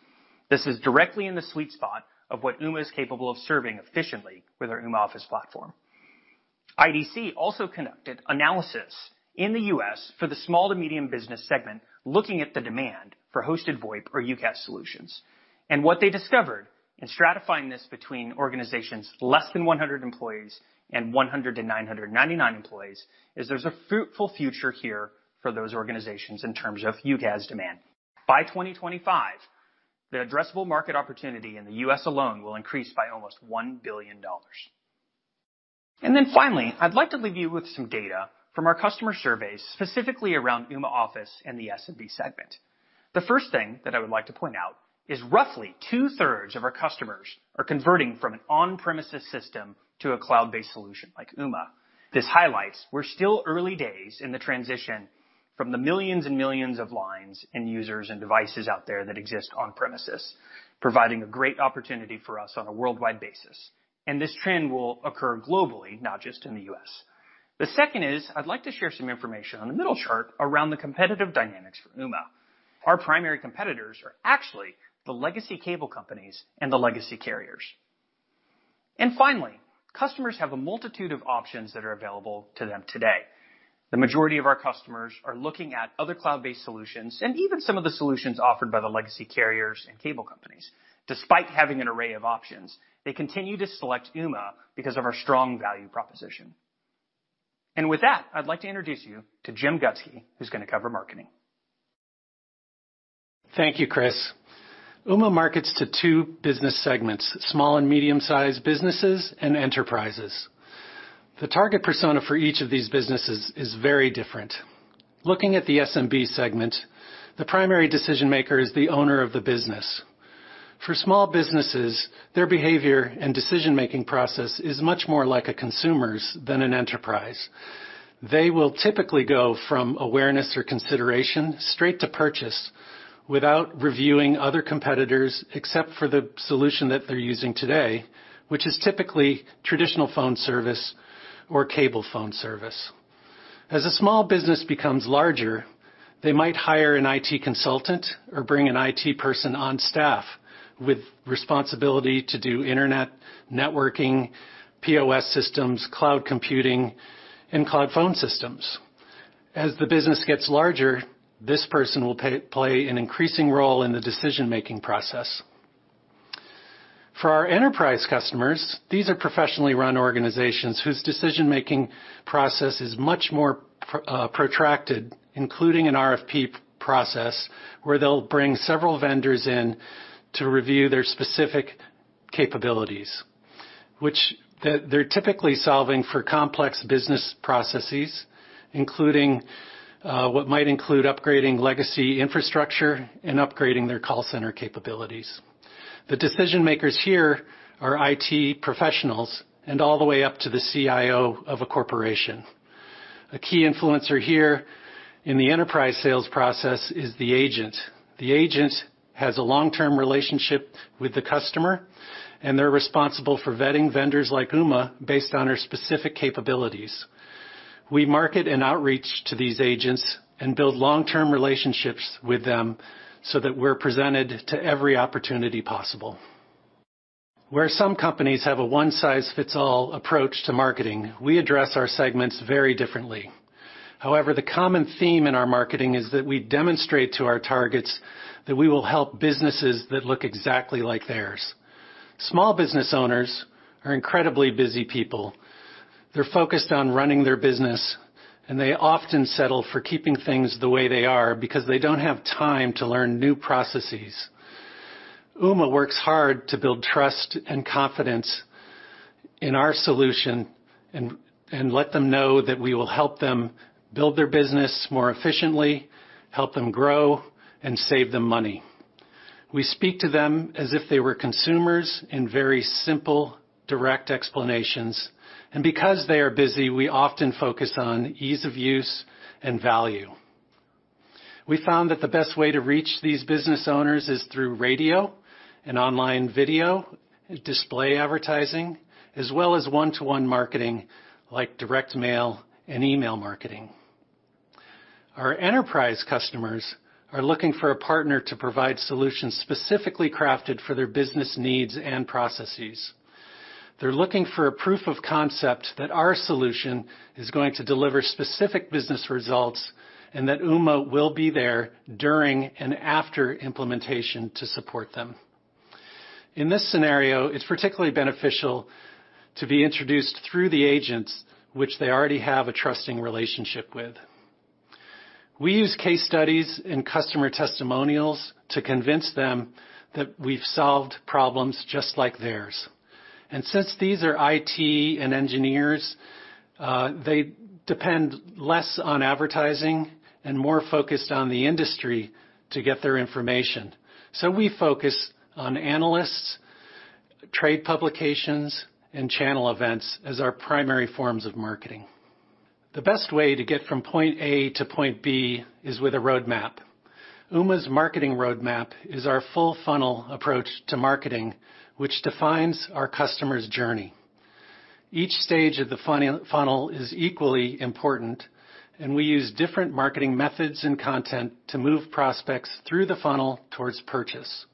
This is directly in the sweet spot of what Ooma is capable of serving efficiently with our Ooma Office platform. IDC also conducted analysis in the U.S. for the small to medium business segment, looking at the demand for hosted VoIP or UCaaS solutions. What they discovered in stratifying this between organizations less than 100 employees and 100-999 employees, is there's a fruitful future here for those organizations in terms of UCaaS demand. By 2025, the addressable market opportunity in the U.S. alone will increase by almost $1 billion. Finally, I'd like to leave you with some data from our customer surveys, specifically around Ooma Office and the SMB segment. The first thing that I would like to point out is roughly 2/3 of our customers are converting from an on-premises system to a cloud-based solution like Ooma. This highlights we're still early days in the transition from the millions and millions of lines and users and devices out there that exist on premises, providing a great opportunity for us on a worldwide basis. This trend will occur globally, not just in the U.S. The second is, I'd like to share some information on the middle chart around the competitive dynamics for Ooma. Our primary competitors are actually the legacy cable companies and the legacy carriers. Finally, customers have a multitude of options that are available to them today. The majority of our customers are looking at other cloud-based solutions and even some of the solutions offered by the legacy carriers and cable companies. Despite having an array of options, they continue to select Ooma because of our strong value proposition. With that, I'd like to introduce you to Jim Gustke, who's gonna cover marketing. Thank you, Chris. Ooma markets to two business segments, small and medium-sized businesses and Enterprises. The target persona for each of these businesses is very different. Looking at the SMB segment, the primary decision maker is the owner of the business. For small businesses, their behavior and decision-making process is much more like a consumer's than an Enterprise. They will typically go from awareness or consideration straight to purchase without reviewing other competitors, except for the solution that they're using today, which is typically traditional phone service or cable phone service. As a small business becomes larger, they might hire an IT consultant or bring an IT person on staff with responsibility to do internet, networking, POS systems, cloud computing, and cloud phone systems. As the business gets larger, this person will play an increasing role in the decision-making process. For our Enterprise customers, these are professionally run organizations whose decision-making process is much more protracted, including an RFP process where they'll bring several vendors in to review their specific capabilities, which they're typically solving for complex business processes, including what might include upgrading legacy infrastructure and upgrading their call center capabilities. The decision makers here are IT professionals and all the way up to the CIO of a corporation. A key influencer here in the enterprise sales process is the agent. The agent has a long-term relationship with the customer, and they're responsible for vetting vendors like Ooma based on our specific capabilities. We market and outreach to these agents and build long-term relationships with them so that we're presented to every opportunity possible. Where some companies have a one-size-fits-all approach to marketing, we address our segments very differently. However, the common theme in our marketing is that we demonstrate to our targets that we will help businesses that look exactly like theirs. Small business owners are incredibly busy people. They're focused on running their business, and they often settle for keeping things the way they are because they don't have time to learn new processes. Ooma works hard to build trust and confidence in our solution and let them know that we will help them build their business more efficiently, help them grow, and save them money. We speak to them as if they were consumers in very simple, direct explanations, and because they are busy, we often focus on ease of use and value. We found that the best way to reach these business owners is through radio and online video, display advertising, as well as one-to-one marketing like direct mail and email marketing. Our enterprise customers are looking for a partner to provide solutions specifically crafted for their business needs and processes. They're looking for a proof of concept that our solution is going to deliver specific business results and that Ooma will be there during and after implementation to support them. In this scenario, it's particularly beneficial to be introduced through the agents which they already have a trusting relationship with. We use case studies and customer testimonials to convince them that we've solved problems just like theirs. Since these are IT and engineers, they depend less on advertising and more focused on the industry to get their information. We focus on analysts, trade publications, and channel events as our primary forms of marketing. The best way to get from point A to point B is with a roadmap. Ooma's marketing roadmap is our full funnel approach to marketing, which defines our customer's journey. Each stage of the funnel is equally important, and we use different marketing methods and content to move prospects through the funnel towards purchase.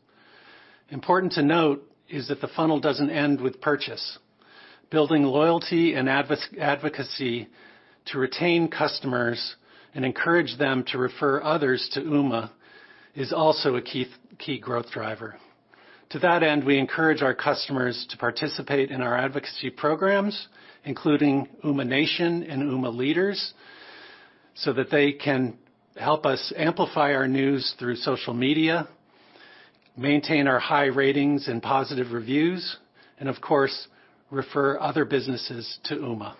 Important to note is that the funnel doesn't end with purchase. Building loyalty and advocacy to retain customers and encourage them to refer others to Ooma is also a key growth driver. To that end, we encourage our customers to participate in our advocacy programs, including Ooma Nation and Ooma Leaders, so that they can help us amplify our news through social media, maintain our high ratings and positive reviews, and of course, refer other businesses to Ooma.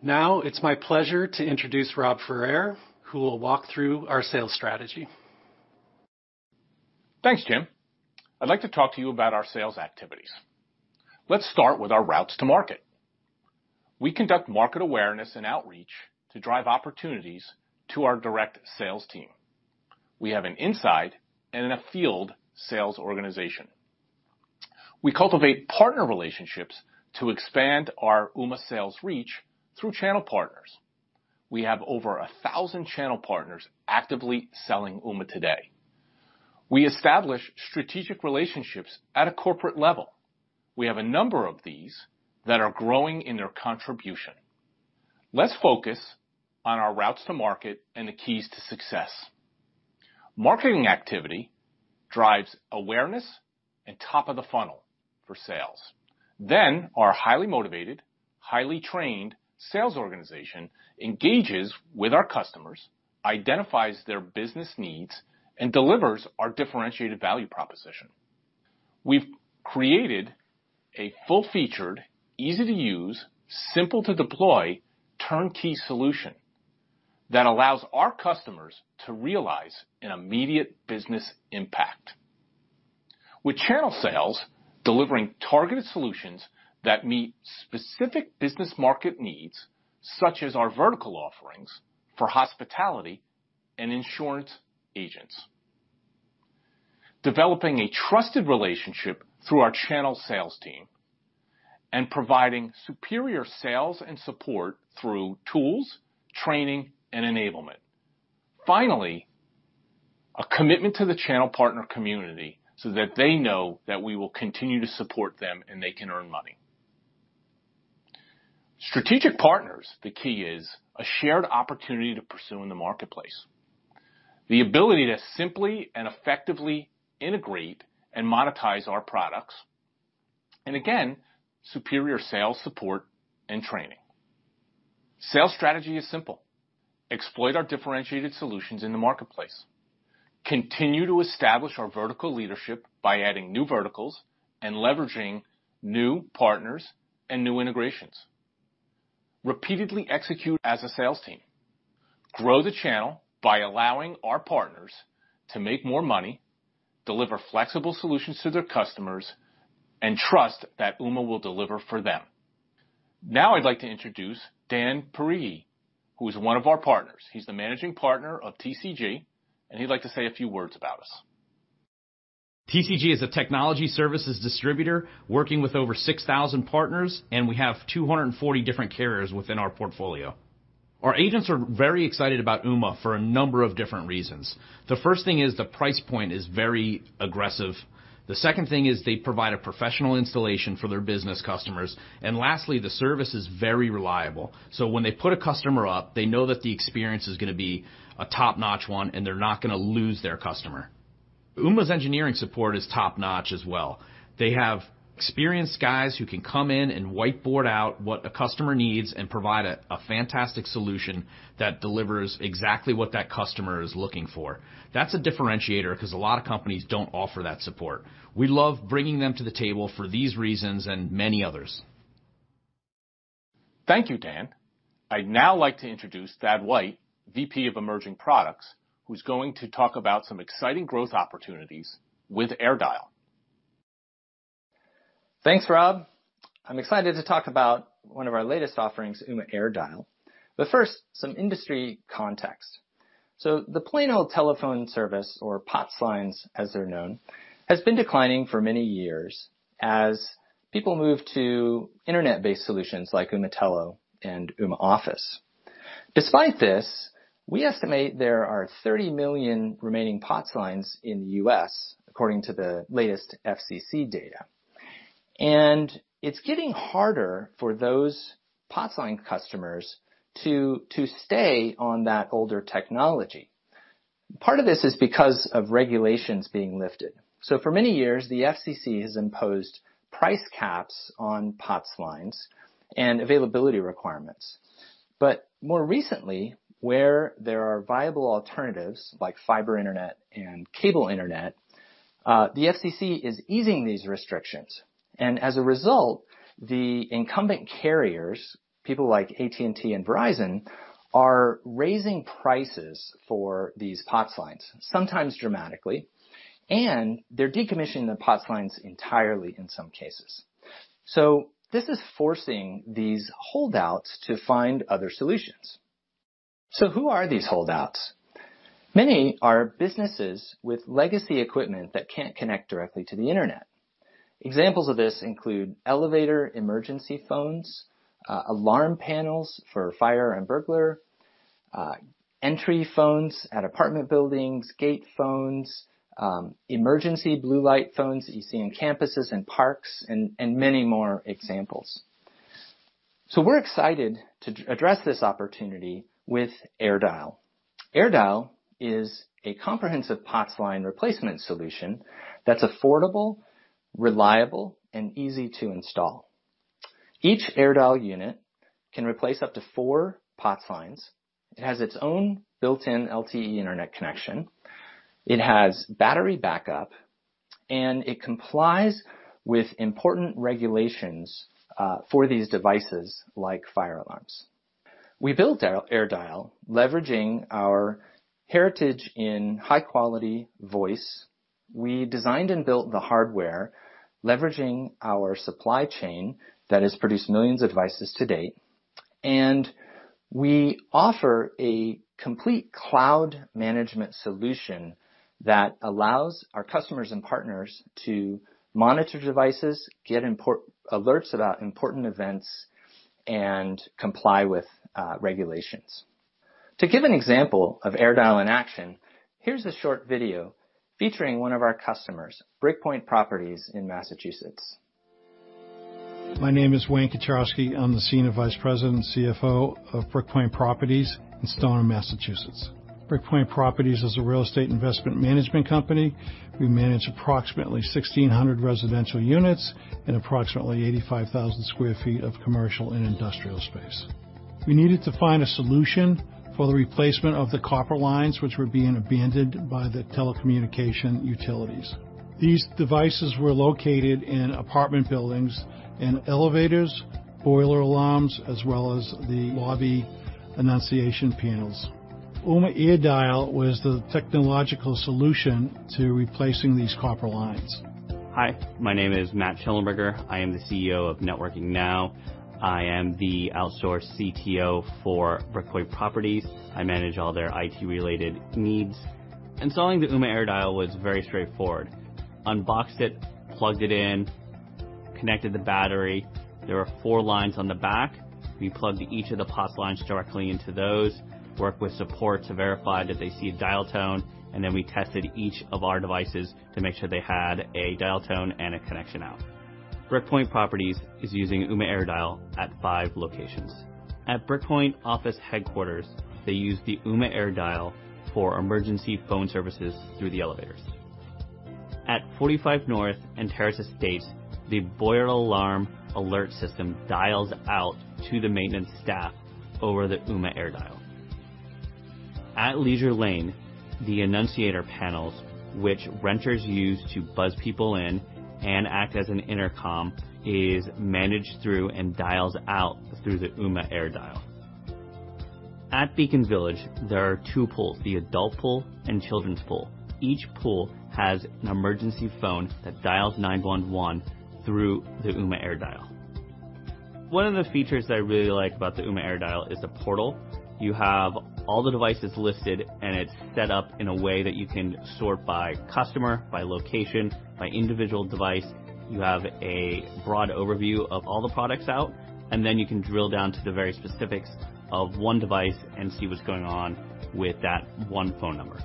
Now it's my pleasure to introduce Rob Ferrer, who will walk through our sales strategy. Thanks, Jim. I'd like to talk to you about our sales activities. Let's start with our routes to market. We conduct market awareness and outreach to drive opportunities to our direct sales team. We have an inside and a field sales organization. We cultivate partner relationships to expand our Ooma sales reach through channel partners. We have over 1,000 channel partners actively selling Ooma today. We establish strategic relationships at a corporate level. We have a number of these that are growing in their contribution. Let's focus on our routes to market and the keys to success. Marketing activity drives awareness and top of the funnel for sales. Our highly motivated, highly trained sales organization engages with our customers, identifies their business needs, and delivers our differentiated value proposition. We've created a full-featured, easy-to-use, simple to deploy, turnkey solution that allows our customers to realize an immediate business impact with channel sales, delivering targeted solutions that meet specific business market needs, such as our vertical offerings for hospitality and insurance agents, developing a trusted relationship through our channel sales team and providing superior sales and support through tools, training, and enablement. Finally, a commitment to the channel partner community so that they know that we will continue to support them and they can earn money. Strategic partners, the key is a shared opportunity to pursue in the marketplace, the ability to simply and effectively integrate and monetize our products, and again, superior sales support and training. Sales strategy is simple. Exploit our differentiated solutions in the marketplace. Continue to establish our vertical leadership by adding new verticals and leveraging new partners and new integrations. Repeatedly execute as a sales team, grow the channel by allowing our partners to make more money, deliver flexible solutions to their customers, and trust that Ooma will deliver for them. Now I'd like to introduce Dan Pirigyi, who is one of our partners. He's the Managing Partner of TCG, and he'd like to say a few words about us. TCG is a technology services distributor working with over 6,000 partners, and we have 240 different carriers within our portfolio. Our agents are very excited about Ooma for a number of different reasons. The first thing is the price point is very aggressive. The second thing is they provide a professional installation for their business customers. And lastly, the service is very reliable. When they put a customer up, they know that the experience is gonna be a top-notch one, and they're not gonna lose their customer. Ooma's engineering support is top-notch as well. They have experienced guys who can come in and whiteboard out what a customer needs and provide a fantastic solution that delivers exactly what that customer is looking for. That's a differentiator 'cause a lot of companies don't offer that support. We love bringing them to the table for these reasons and many others. Thank you, Dan. I'd now like to introduce Thad White, VP of Emerging Products, who's going to talk about some exciting growth opportunities with AirDial. Thanks, Rob. I'm excited to talk about one of our latest offerings, Ooma AirDial. First, some industry context. The plain old telephone service, or POTS lines, as they're known, has been declining for many years as people move to internet-based solutions like Ooma Telo and Ooma Office. Despite this, we estimate there are 30 million remaining POTS lines in the U.S. according to the latest FCC data. It's getting harder for those POTS line customers to stay on that older technology. Part of this is because of regulations being lifted. For many years, the FCC has imposed price caps on POTS lines and availability requirements. More recently, where there are viable alternatives like fiber internet and cable internet, the FCC is easing these restrictions. As a result, the incumbent carriers, people like AT&T and Verizon, are raising prices for these POTS lines, sometimes dramatically. They're decommissioning the POTS lines entirely in some cases. This is forcing these holdouts to find other solutions. Who are these holdouts? Many are businesses with legacy equipment that can't connect directly to the internet. Examples of this include elevator emergency phones, alarm panels for fire and burglar, entry phones at apartment buildings, gate phones, emergency blue light phones that you see on campuses and parks, and many more examples. We're excited to address this opportunity with AirDial. AirDial is a comprehensive POTS line replacement solution that's affordable, reliable, and easy to install. Each AirDial unit can replace up to four POTS lines. It has its own built-in LTE internet connection. It has battery backup, and it complies with important regulations for these devices like fire alarms. We built AirDial leveraging our heritage in high quality voice. We designed and built the hardware leveraging our supply chain that has produced millions of devices-to-date. We offer a complete cloud management solution that allows our customers and partners to monitor devices, get alerts about important events and comply with regulations. To give an example of AirDial in action, here's a short video featuring one of our customers, Brickpoint Properties in Massachusetts. My name is Wayne Kucharski. I'm the Senior Vice President and CFO of Brickpoint Properties in Stoneham, Massachusetts. Brickpoint Properties is a real estate investment management company. We manage approximately 1,600 residential units and approximately 85,000 square feet of commercial and industrial space. We needed to find a solution for the replacement of the copper lines, which were being abandoned by the telecommunication utilities. These devices were located in apartment buildings, in elevators, boiler alarms, as well as the lobby enunciation panels. Ooma AirDial was the technological solution to replacing these copper lines. Hi, my name is Matt Schellenberger. I am the CEO of Networking Now. I am the outsource CTO for Brickpoint Properties. I manage all their IT related needs. Installing the Ooma AirDial was very straightforward. Unboxed it, plugged it in, connected the battery. There are four lines on the back. We plugged each of the POTS lines directly into those, worked with support to verify that they see a dial tone, and then we tested each of our devices to make sure they had a dial tone and a connection out. Brickpoint Properties is using Ooma AirDial at five locations. At Brickpoint office headquarters, they use the Ooma AirDial for emergency phone services through the elevators. At 45 North and Terrace Estates, the boiler alarm alert system dials out to the maintenance staff over the Ooma AirDial. At Leisure Lane, the annunciator panels which renters use to buzz people in and act as an intercom is managed through and dials out through the Ooma AirDial. At Beacon Village, there are two pools, the adult pool and children's pool. Each pool has an emergency phone that dials 911 through the Ooma AirDial. One of the features that I really like about the Ooma AirDial is the portal. You have all the devices listed, and it's set up in a way that you can sort by customer, by location, by individual device. You have a broad overview of all the products out, and then you can drill down to the very specifics of one device and see what's going on with that one phone number.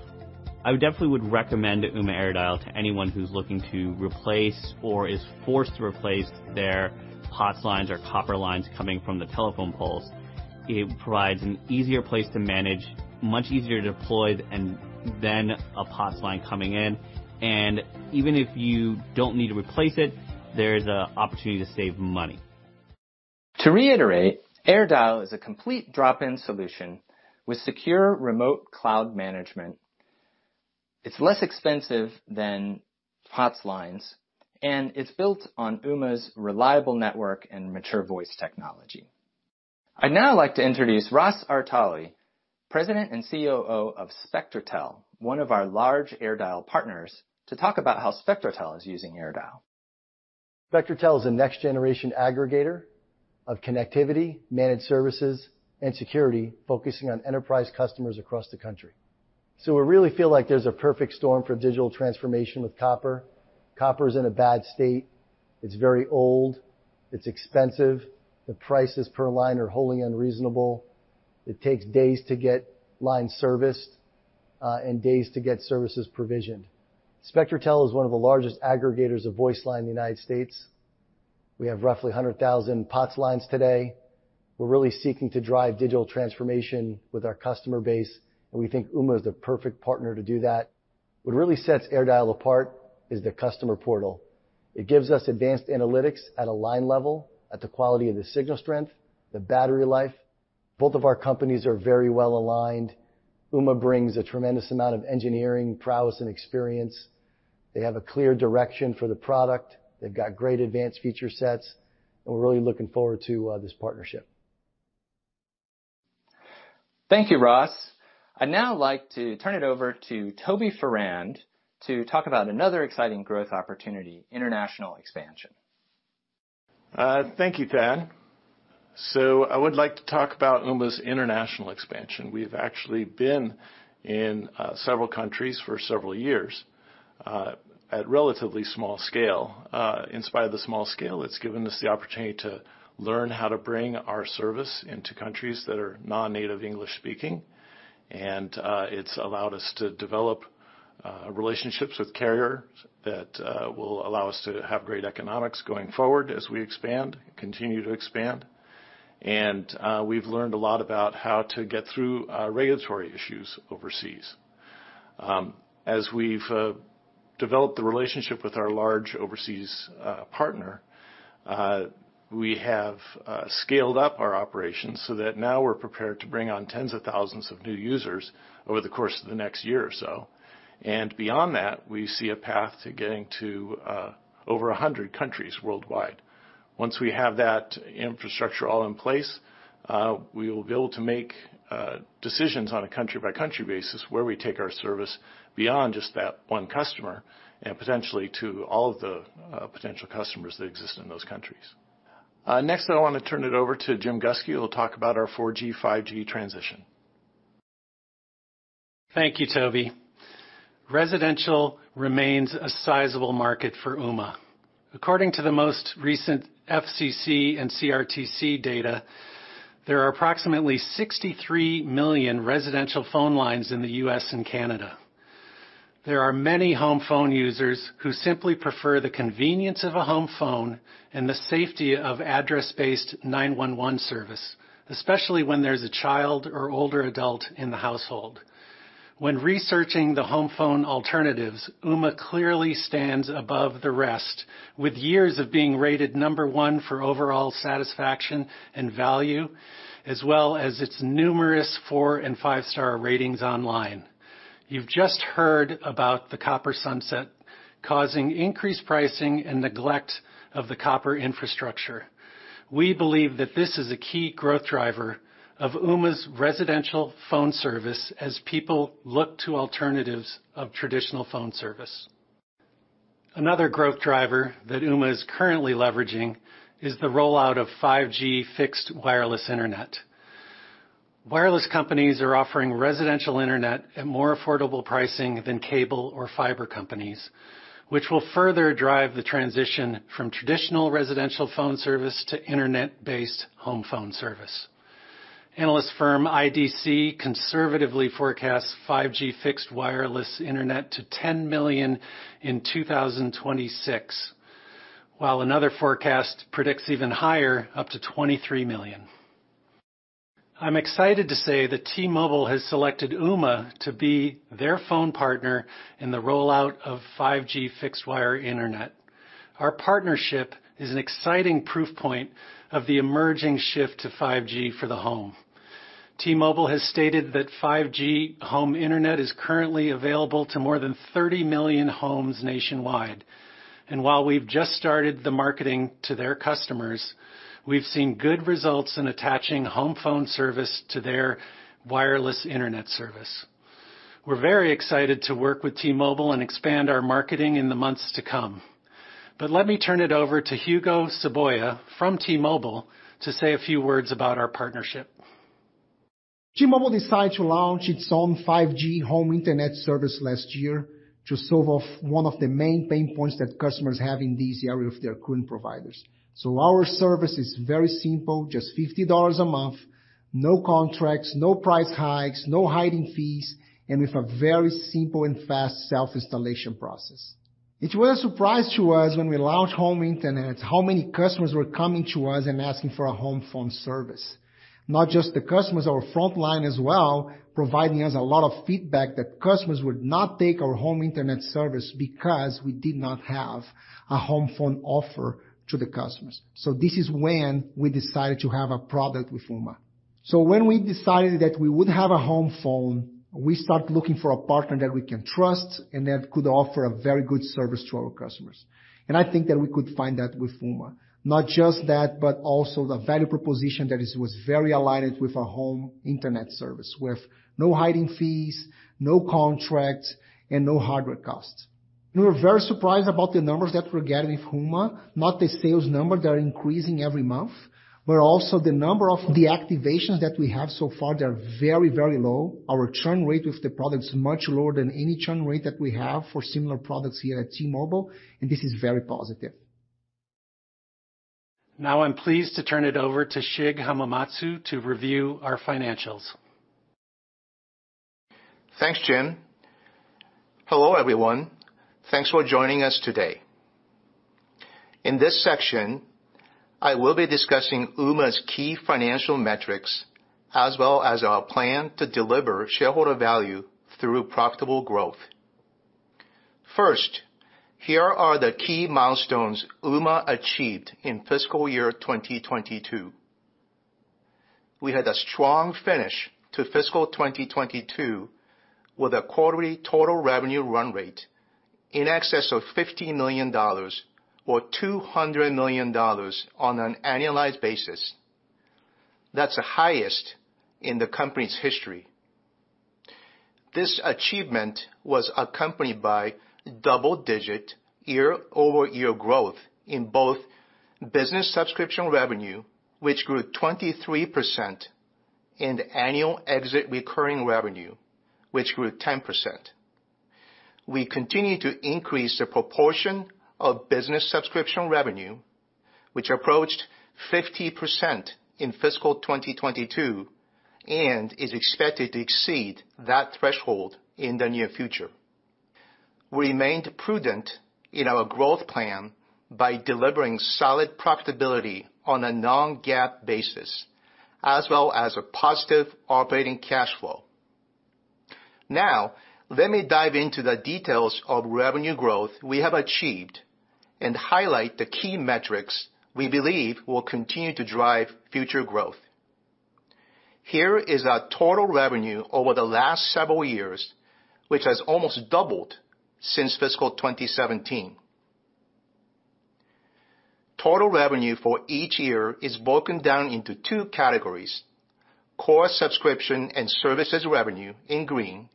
I would definitely recommend Ooma AirDial to anyone who's looking to replace or is forced to replace their POTS lines or copper lines coming from the telephone poles. It provides an easier place to manage, much easier to deploy than a POTS line coming in. Even if you don't need to replace it, there's an opportunity to save money. To reiterate, AirDial is a complete drop-in solution with secure remote cloud management. It's less expensive than POTS lines, and it's built on Ooma's reliable network and mature voice technology. I'd now like to introduce Ross Artale, President and CEO of Spectrotel, one of our large AirDial partners, to talk about how Spectrotel is using AirDial. Spectrotel is a next-generation aggregator of connectivity, managed services, and security focusing on enterprise customers across the country. We really feel like there's a perfect storm for digital transformation with copper. Copper is in a bad state. It's very old. It's expensive. The prices per line are wholly unreasonable. It takes days to get lines serviced, and days to get services provisioned. Spectrotel is one of the largest aggregators of voice lines in the United States. We have roughly 100,000 POTS lines today. We're really seeking to drive digital transformation with our customer base, and we think Ooma is the perfect partner to do that. What really sets AirDial apart is the customer portal. It gives us advanced analytics at a line level at the quality of the signal strength, the battery life. Both of our companies are very well aligned. Ooma brings a tremendous amount of engineering prowess and experience. They have a clear direction for the product. They've got great advanced feature sets, and we're really looking forward to this partnership. Thank you, Ross. I'd now like to turn it over to Toby Farrand to talk about another exciting growth opportunity, international expansion. Thank you, Thad. I would like to talk about Ooma's international expansion. We've actually been in several countries for several years at relatively small scale. In spite of the small scale, it's given us the opportunity to learn how to bring our service into countries that are non-native English-speaking. It's allowed us to develop relationships with carriers that will allow us to have great economics going forward as we expand, continue to expand. We've learned a lot about how to get through regulatory issues overseas. As we've developed the relationship with our large overseas partner, we have scaled up our operations so that now we're prepared to bring on tens of thousands of new users over the course of the next year or so. Beyond that, we see a path to getting to over 100 countries worldwide. Once we have that infrastructure all in place, we will be able to make decisions on a country-by-country basis where we take our service beyond just that one customer and potentially to all of the potential customers that exist in those countries. Next, I want to turn it over to Jim Gustke, who will talk about our 4G, 5G transition. Thank you, Toby. Residential remains a sizable market for Ooma. According to the most recent FCC and CRTC data, there are approximately 63 million residential phone lines in the U.S. and Canada. There are many home phone users who simply prefer the convenience of a home phone and the safety of address-based 911 service, especially when there's a child or older adult in the household. When researching the home phone alternatives, Ooma clearly stands above the rest, with years of being rated number one for overall satisfaction and value, as well as its numerous four and five-star ratings online. You've just heard about the copper sunset causing increased pricing and neglect of the copper infrastructure. We believe that this is a key growth driver of Ooma's Residential phone service as people look to alternatives of traditional phone service. Another growth driver that Ooma is currently leveraging is the rollout of 5G fixed wireless internet. Wireless companies are offering residential internet at more affordable pricing than cable or fiber companies, which will further drive the transition from traditional residential phone service to internet-based home phone service. Analyst firm IDC conservatively forecasts 5G fixed wireless internet to 10 million in 2026, while another forecast predicts even higher, up to 23 million. I'm excited to say that T-Mobile has selected Ooma to be their phone partner in the rollout of 5G fixed wireless internet. Our partnership is an exciting proof point of the emerging shift to 5G for the home. T-Mobile has stated that 5G home internet is currently available to more than 30 million homes nationwide. While we've just started the marketing to their customers, we've seen good results in attaching home phone service to their wireless internet service. We're very excited to work with T-Mobile and expand our marketing in the months to come. Let me turn it over to Hugo Soboia from T-Mobile to say a few words about our partnership. T-Mobile decided to launch its own 5G home internet service last year to solve one of the main pain points that customers have in this area with their current providers. Our service is very simple, just $50 a month, no contracts, no price hikes, no hidden fees, and with a very simple and fast self-installation process. It was a surprise to us when we launched home internet how many customers were coming to us and asking for a home phone service. Not just the customers, our frontline as well, providing us a lot of feedback that customers would not take our home internet service because we did not have a home phone offer to the customers. This is when we decided to have a product with Ooma. When we decided that we would have a home phone, we start looking for a partner that we can trust and that could offer a very good service to our customers. I think that we could find that with Ooma. Not just that, but also the value proposition that is, was very aligned with our home internet service, with no hidden fees, no contracts, and no hardware costs. We were very surprised about the numbers that we're getting with Ooma, not the sales numbers that are increasing every month, but also the number of deactivations that we have so far, they're very, very low. Our churn rate with the product is much lower than any churn rate that we have for similar products here at T-Mobile, and this is very positive. Now, I'm pleased to turn it over to Shig Hamamatsu to review our financials. Thanks, Jim. Hello, everyone. Thanks for joining us today. In this section, I will be discussing Ooma's key financial metrics, as well as our plan to deliver shareholder value through profitable growth. First, here are the key milestones Ooma achieved in fiscal year 2022. We had a strong finish to fiscal 2022 with a quarterly total revenue run rate in excess of $50 million or $200 million on an annualized basis. That's the highest in the company's history. This achievement was accompanied by double-digit year-over-year growth in both business subscription revenue, which grew 23%, and annual exit recurring revenue, which grew 10%. We continued to increase the proportion of business subscription revenue, which approached 50% in fiscal 2022, and is expected to exceed that threshold in the near future. We remained prudent in our growth plan by delivering solid profitability on a non-GAAP basis, as well as a positive operating cash flow. Now, let me dive into the details of revenue growth we have achieved and highlight the key metrics we believe will continue to drive future growth. Here is our total revenue over the last several years, which has almost doubled since fiscal 2017. Total revenue for each year is broken down into two categories, core subscription and services revenue in green,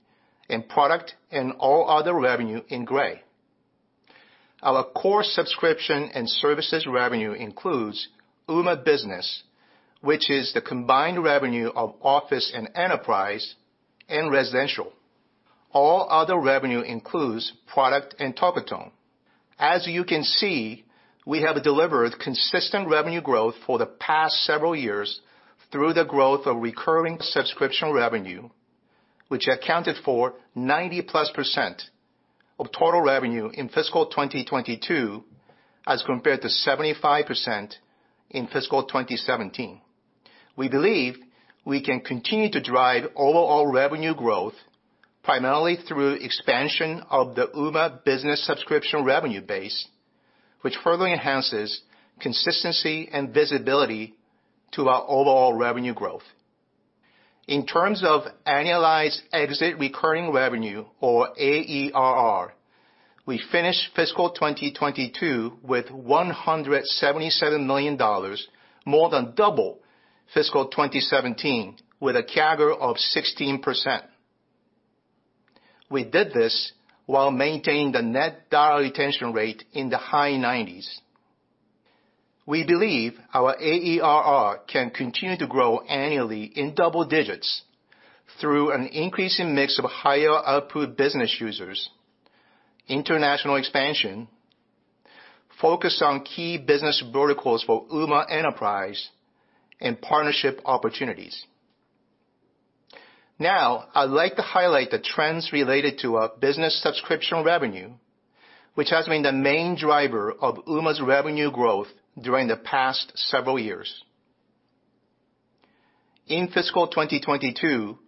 and product and all other revenue in gray. Our core subscription and services revenue includes Ooma Business, which is the combined revenue of Office and Enterprise and Residential. All other revenue includes product and Talkatone. As you can see, we have delivered consistent revenue growth for the past several years through the growth of recurring subscription revenue, which accounted for 90%+ of total revenue in fiscal 2022, as compared to 75% in fiscal 2017. We believe we can continue to drive overall revenue growth, primarily through expansion of the Ooma Business subscription revenue base, which further enhances consistency and visibility to our overall revenue growth. In terms of annualized exit recurring revenue or AERR, we finished fiscal 2022 with $177 million, more than double fiscal 2017 with a CAGR of 16%. We did this while maintaining the net dollar retention rate in the high 90%s. We believe our AERR can continue to grow annually in double-digits through an increasing mix of higher output business users, international expansion, focus on key business verticals for Ooma Enterprise, and partnership opportunities. Now, I'd like to highlight the trends related to our business subscription revenue, which has been the main driver of Ooma's revenue growth during the past several years. In fiscal 2022,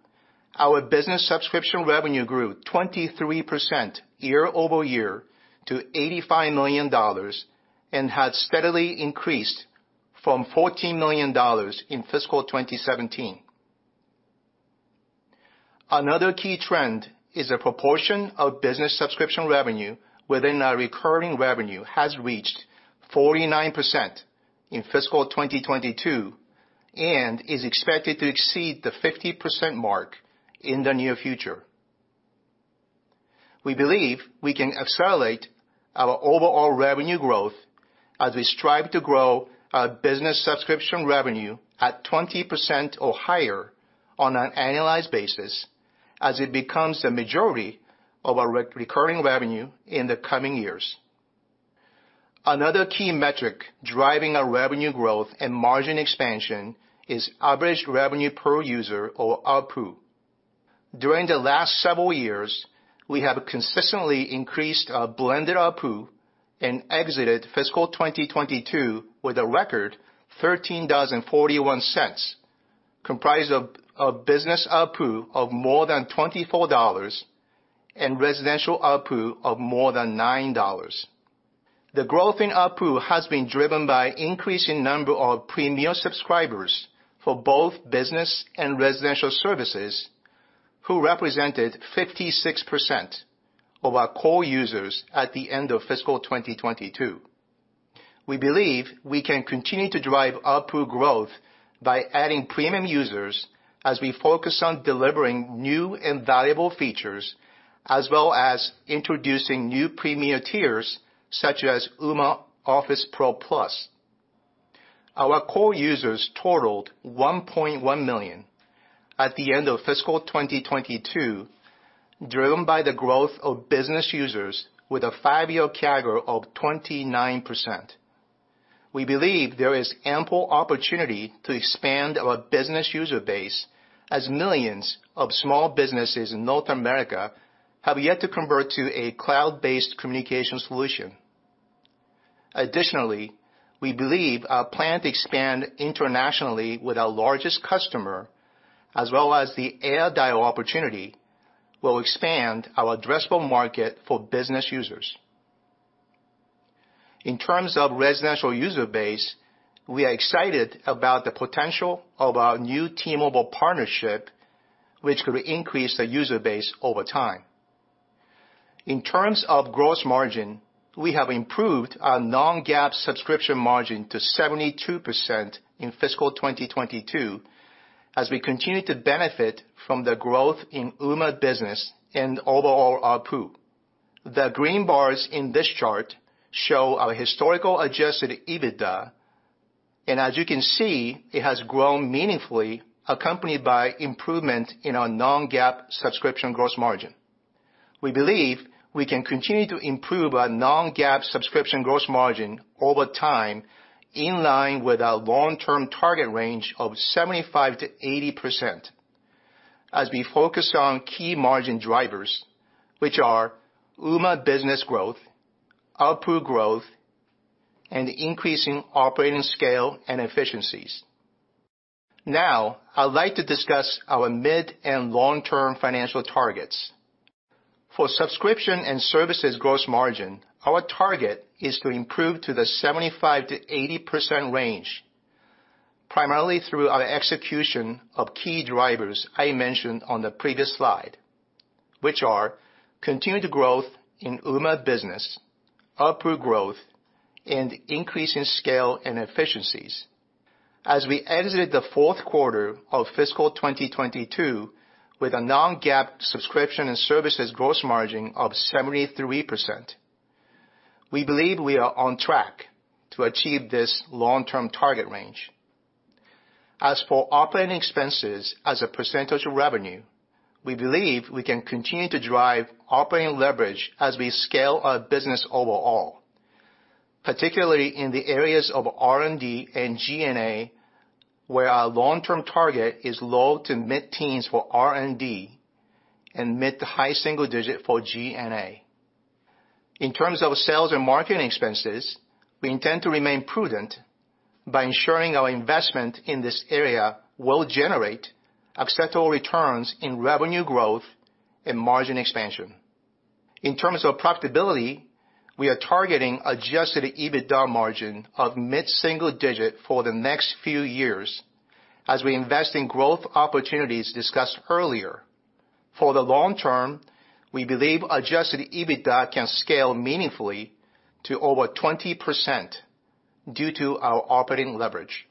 our business subscription revenue grew 23% year-over-year to $85 million, and has steadily increased from $14 million in fiscal 2017. Another key trend is the proportion of business subscription revenue within our recurring revenue has reached 49% in fiscal 2022, and is expected to exceed the 50% mark in the near future. We believe we can accelerate our overall revenue growth as we strive to grow our business subscription revenue at 20% or higher on an annualized basis as it becomes the majority of our recurring revenue in the coming years. Another key metric driving our revenue growth and margin expansion is average revenue per user, or ARPU. During the last several years, we have consistently increased our blended ARPU and exited fiscal 2022 with a record $13.41, comprised of business ARPU of more than $24 and Residential ARPU of more than $9. The growth in ARPU has been driven by increase in number of premium subscribers for both Business and Residential services, who represented 56% of our core users at the end of fiscal 2022. We believe we can continue to drive ARPU growth by adding premium users as we focus on delivering new and valuable features, as well as introducing new premium tiers, such as Ooma Office Pro Plus. Our core users totaled 1.1 million at the end of fiscal 2022, driven by the growth of business users with a five-year CAGR of 29%. We believe there is ample opportunity to expand our business user base as millions of small businesses in North America have yet to convert to a cloud-based communication solution. Additionally, we believe our plan to expand internationally with our largest customer, as well as the AirDial opportunity, will expand our addressable market for business users. In terms of Residential user base, we are excited about the potential of our new T-Mobile partnership, which could increase the user base over time. In terms of gross margin, we have improved our non-GAAP subscription margin to 72% in fiscal 2022 as we continue to benefit from the growth in Ooma Business and overall ARPU. The green bars in this chart show our historical adjusted EBITDA, and as you can see, it has grown meaningfully, accompanied by improvement in our non-GAAP subscription gross margin. We believe we can continue to improve our non-GAAP subscription gross margin over time, in line with our long-term target range of 75%-80% as we focus on key margin drivers, which are Ooma Business growth, ARPU growth, and increasing operating scale and efficiencies. Now I'd like to discuss our mid and long-term financial targets. For subscription and services gross margin, our target is to improve to the 75%-80% range, primarily through our execution of key drivers I mentioned on the previous slide, which are continued growth in Ooma Business, ARPU growth, and increase in scale and efficiencies. As we exited the fourth quarter of fiscal 2022 with a non-GAAP subscription and services gross margin of 73%, we believe we are on track to achieve this long-term target range. As for operating expenses as a percentage of revenue, we believe we can continue to drive operating leverage as we scale our business overall, particularly in the areas of R&D and G&A, where our long-term target is low to mid-teens for R&D and mid- to high single-digit for G&A. In terms of sales and marketing expenses, we intend to remain prudent by ensuring our investment in this area will generate acceptable returns in revenue growth and margin expansion. In terms of profitability, we are targeting adjusted EBITDA margin of mid-single-digit for the next few years as we invest in growth opportunities discussed earlier. For the long term, we believe adjusted EBITDA can scale meaningfully to over 20% due to our operating leverage.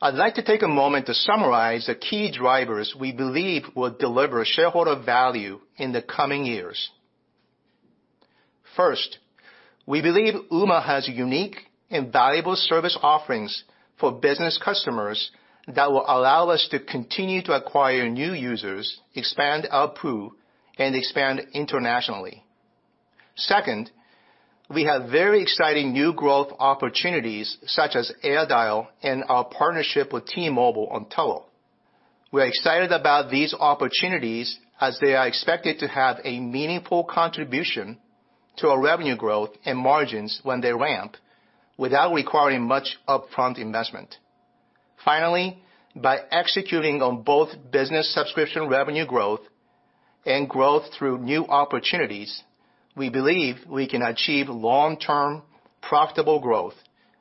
I'd like to take a moment to summarize the key drivers we believe will deliver shareholder value in the coming years. First, we believe Ooma has unique and valuable service offerings for business customers that will allow us to continue to acquire new users, expand ARPU, and expand internationally. Second, we have very exciting new growth opportunities, such as AirDial and our partnership with T-Mobile on Telo. We're excited about these opportunities as they are expected to have a meaningful contribution. To our revenue growth and margins when they ramp without requiring much upfront investment. Finally, by executing on both business subscription revenue growth and growth through new opportunities, we believe we can achieve long-term profitable growth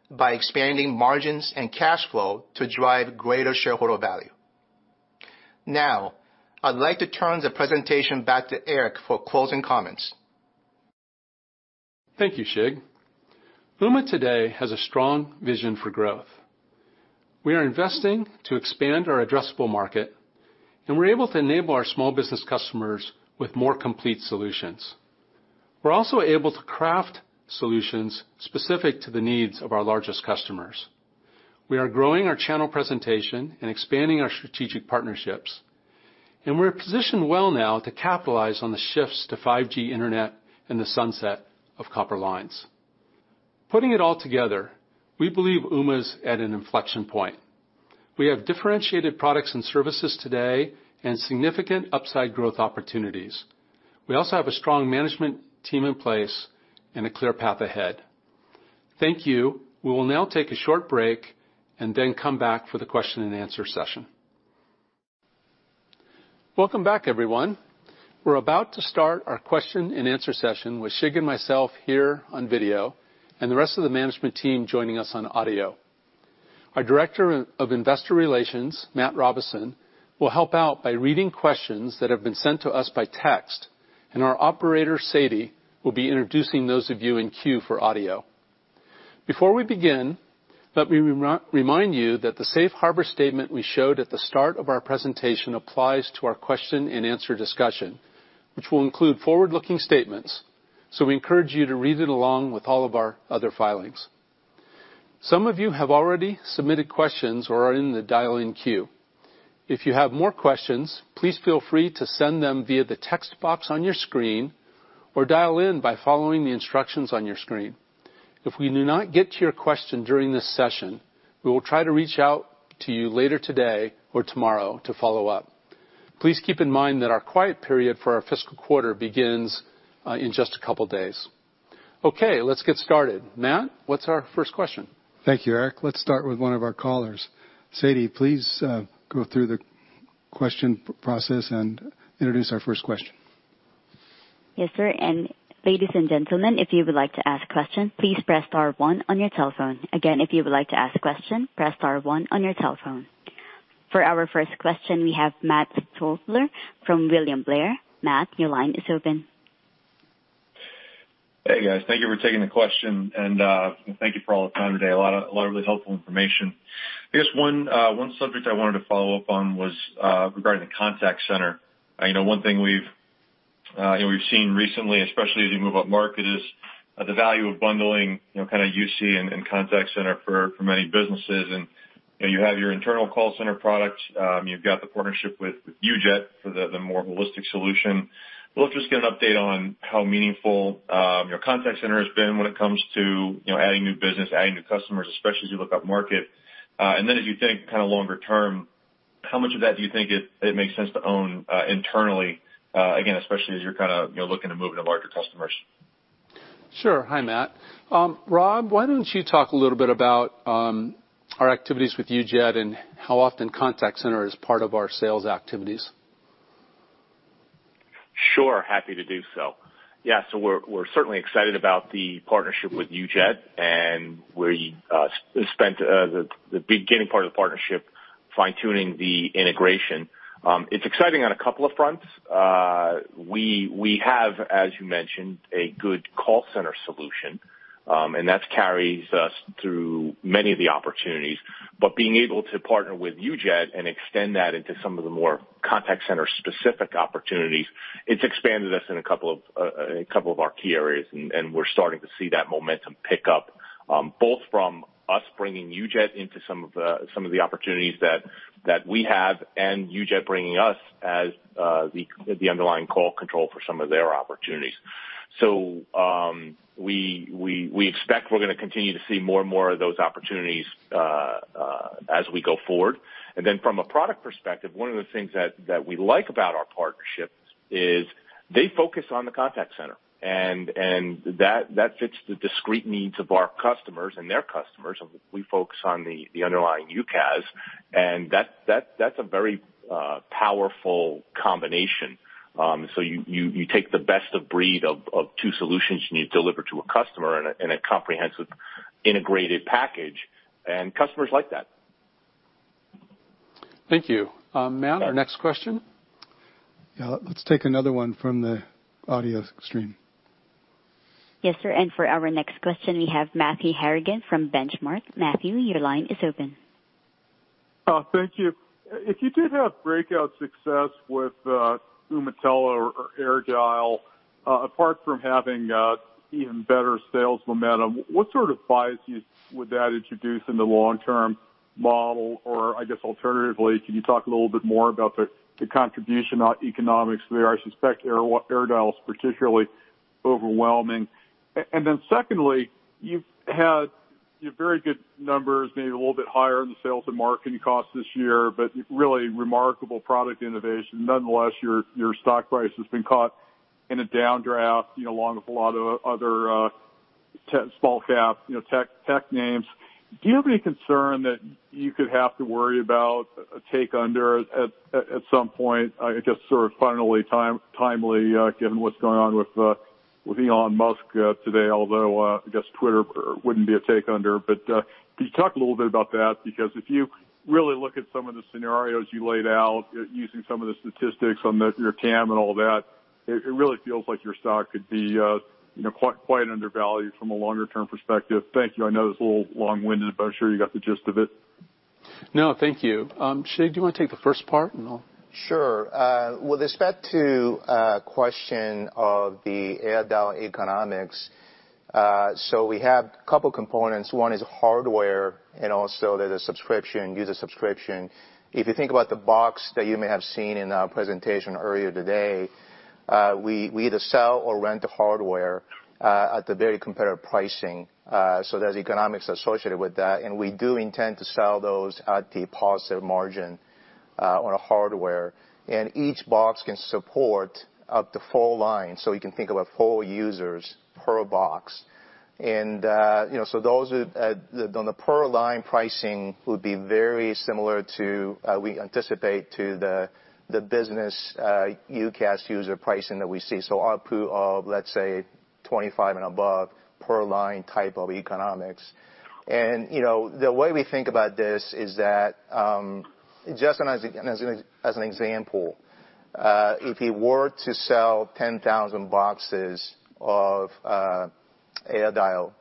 by expanding margins and cash flow to drive greater shareholder value. Now, I'd like to turn the presentation back to Eric for closing comments. Thank you, Shig. Ooma today has a strong vision for growth. We are investing to expand our addressable market, and we're able to enable our small business customers with more complete solutions. We're also able to craft solutions specific to the needs of our largest customers. We are growing our channel presentation and expanding our strategic partnerships, and we're positioned well now to capitalize on the shifts to 5G internet and the sunset of copper lines. Putting it all together, we believe Ooma's at an inflection point. We have differentiated products and services today and significant upside growth opportunities. We also have a strong management team in place and a clear path ahead. Thank you. We will now take a short break and then come back for the question-and-answer session. Welcome back, everyone. We're about to start our question-and-answer session with Shig Hamamatsu and myself here on video, and the rest of the management team joining us on audio. Our Director of Investor Relations, Matt Robison, will help out by reading questions that have been sent to us by text, and our operator, Sadie, will be introducing those of you in queue for audio. Before we begin, let me re-remind you that the Safe Harbor statement we showed at the start of our presentation applies to our question-and-answer discussion, which will include forward-looking statements. We encourage you to read it along with all of our other filings. Some of you have already submitted questions or are in the dial-in queue. If you have more questions, please feel free to send them via the text box on your screen or dial in by following the instructions on your screen. If we do not get to your question during this session, we will try to reach out to you later today or tomorrow to follow-up. Please keep in mind that our quiet period for our fiscal quarter begins in just a couple of days. Okay, let's get started. Matt, what's our first question? Thank you, Eric. Let's start with one of our callers. Sadie, please, go through the question process and introduce our first question. Yes, sir. Ladies and gentlemen, if you would like to ask questions, please press star one on your telephone. Again, if you would like to ask a question, press star one on your telephone. For our first question, we have Matt Stotler from William Blair. Matt, your line is open. Hey, guys. Thank you for taking the question, and thank you for all the time today. A lot of really helpful information. I guess one subject I wanted to follow up on was regarding the contact center. I know one thing we've you know seen recently, especially as you move upmarket, is the value of bundling, you know kind of UC and contact center for many businesses. You know, you have your internal call center products. You've got the partnership with UJET for the more holistic solution. We'll just get an update on how meaningful your contact center has been when it comes to you know adding new business, adding new customers, especially as you look upmarket. As you think kind of longer term, how much of that do you think it makes sense to own internally, again, especially as you're kind of, you know, looking to move into larger customers? Sure. Hi, Matt. Rob, why don't you talk a little bit about our activities with UJET and how often contact center is part of our sales activities? Sure, happy to do so. Yeah, we're certainly excited about the partnership with UJET and we spent the beginning part of the partnership fine-tuning the integration. It's exciting on a couple of fronts. We have, as you mentioned, a good call center solution, and that carries us through many of the opportunities. Being able to partner with UJET and extend that into some of the more contact center-specific opportunities, it's expanded us in a couple of our key areas, and we're starting to see that momentum pick up, both from us bringing UJET into some of the opportunities that we have and UJET bringing us as the underlying call control for some of their opportunities. We expect we're gonna continue to see more and more of those opportunities as we go forward. From a product perspective, one of the things that we like about our partnerships is they focus on the contact center and that fits the discrete needs of our customers and their customers. We focus on the underlying UCaaS, and that's a very powerful combination. You take the best of breed of two solutions, and you deliver to a customer in a comprehensive, integrated package, and customers like that. Thank you. Matt, our next question? Yeah, let's take another one from the audio stream. Yes, sir. For our next question, we have Matthew Harrigan from Benchmark. Matthew, your line is open. Oh, thank you. If you did have breakout success with Ooma Telo or AirDial, apart from having even better sales momentum, what sort of bias would that introduce in the long-term model? Or I guess alternatively, can you talk a little bit more about the contribution economics there? I suspect AirDial is particularly overwhelming. Secondly, you've had- Yeah, very good numbers, maybe a little bit higher in the sales and marketing costs this year, but really remarkable product innovation. Nonetheless, your stock price has been caught in a downdraft, you know, along with a lot of other small cap, you know, tech names. Do you have any concern that you could have to worry about a take under at some point? I guess sort of finally timely, given what's going on with Elon Musk today, although I guess Twitter wouldn't be a take under. Could you talk a little bit about that? Because if you really look at some of the scenarios you laid out using some of the statistics on your TAM and all that, it really feels like your stock could be, you know, quite undervalued from a longer term perspective. Thank you. I know it's a little long-winded, but I'm sure you got the gist of it. No, thank you. Shig, do you wanna take the first part and I'll- Sure. With respect to the question of the AirDial economics, we have a couple components. One is hardware and also there's a subscription, user subscription. If you think about the box that you may have seen in our presentation earlier today, we either sell or rent the hardware at a very competitive pricing, so there's economics associated with that, and we do intend to sell those at a positive margin on hardware. Each box can support up to four lines, so you can think about four users per box. You know, those are on the per line pricing would be very similar to what we anticipate for the business UCaaS user pricing that we see. ARPU of, let's say, $25 and above per line type of economics. You know, the way we think about this is that, just as an example, if we were to sell 10,000 boxes of AirDial,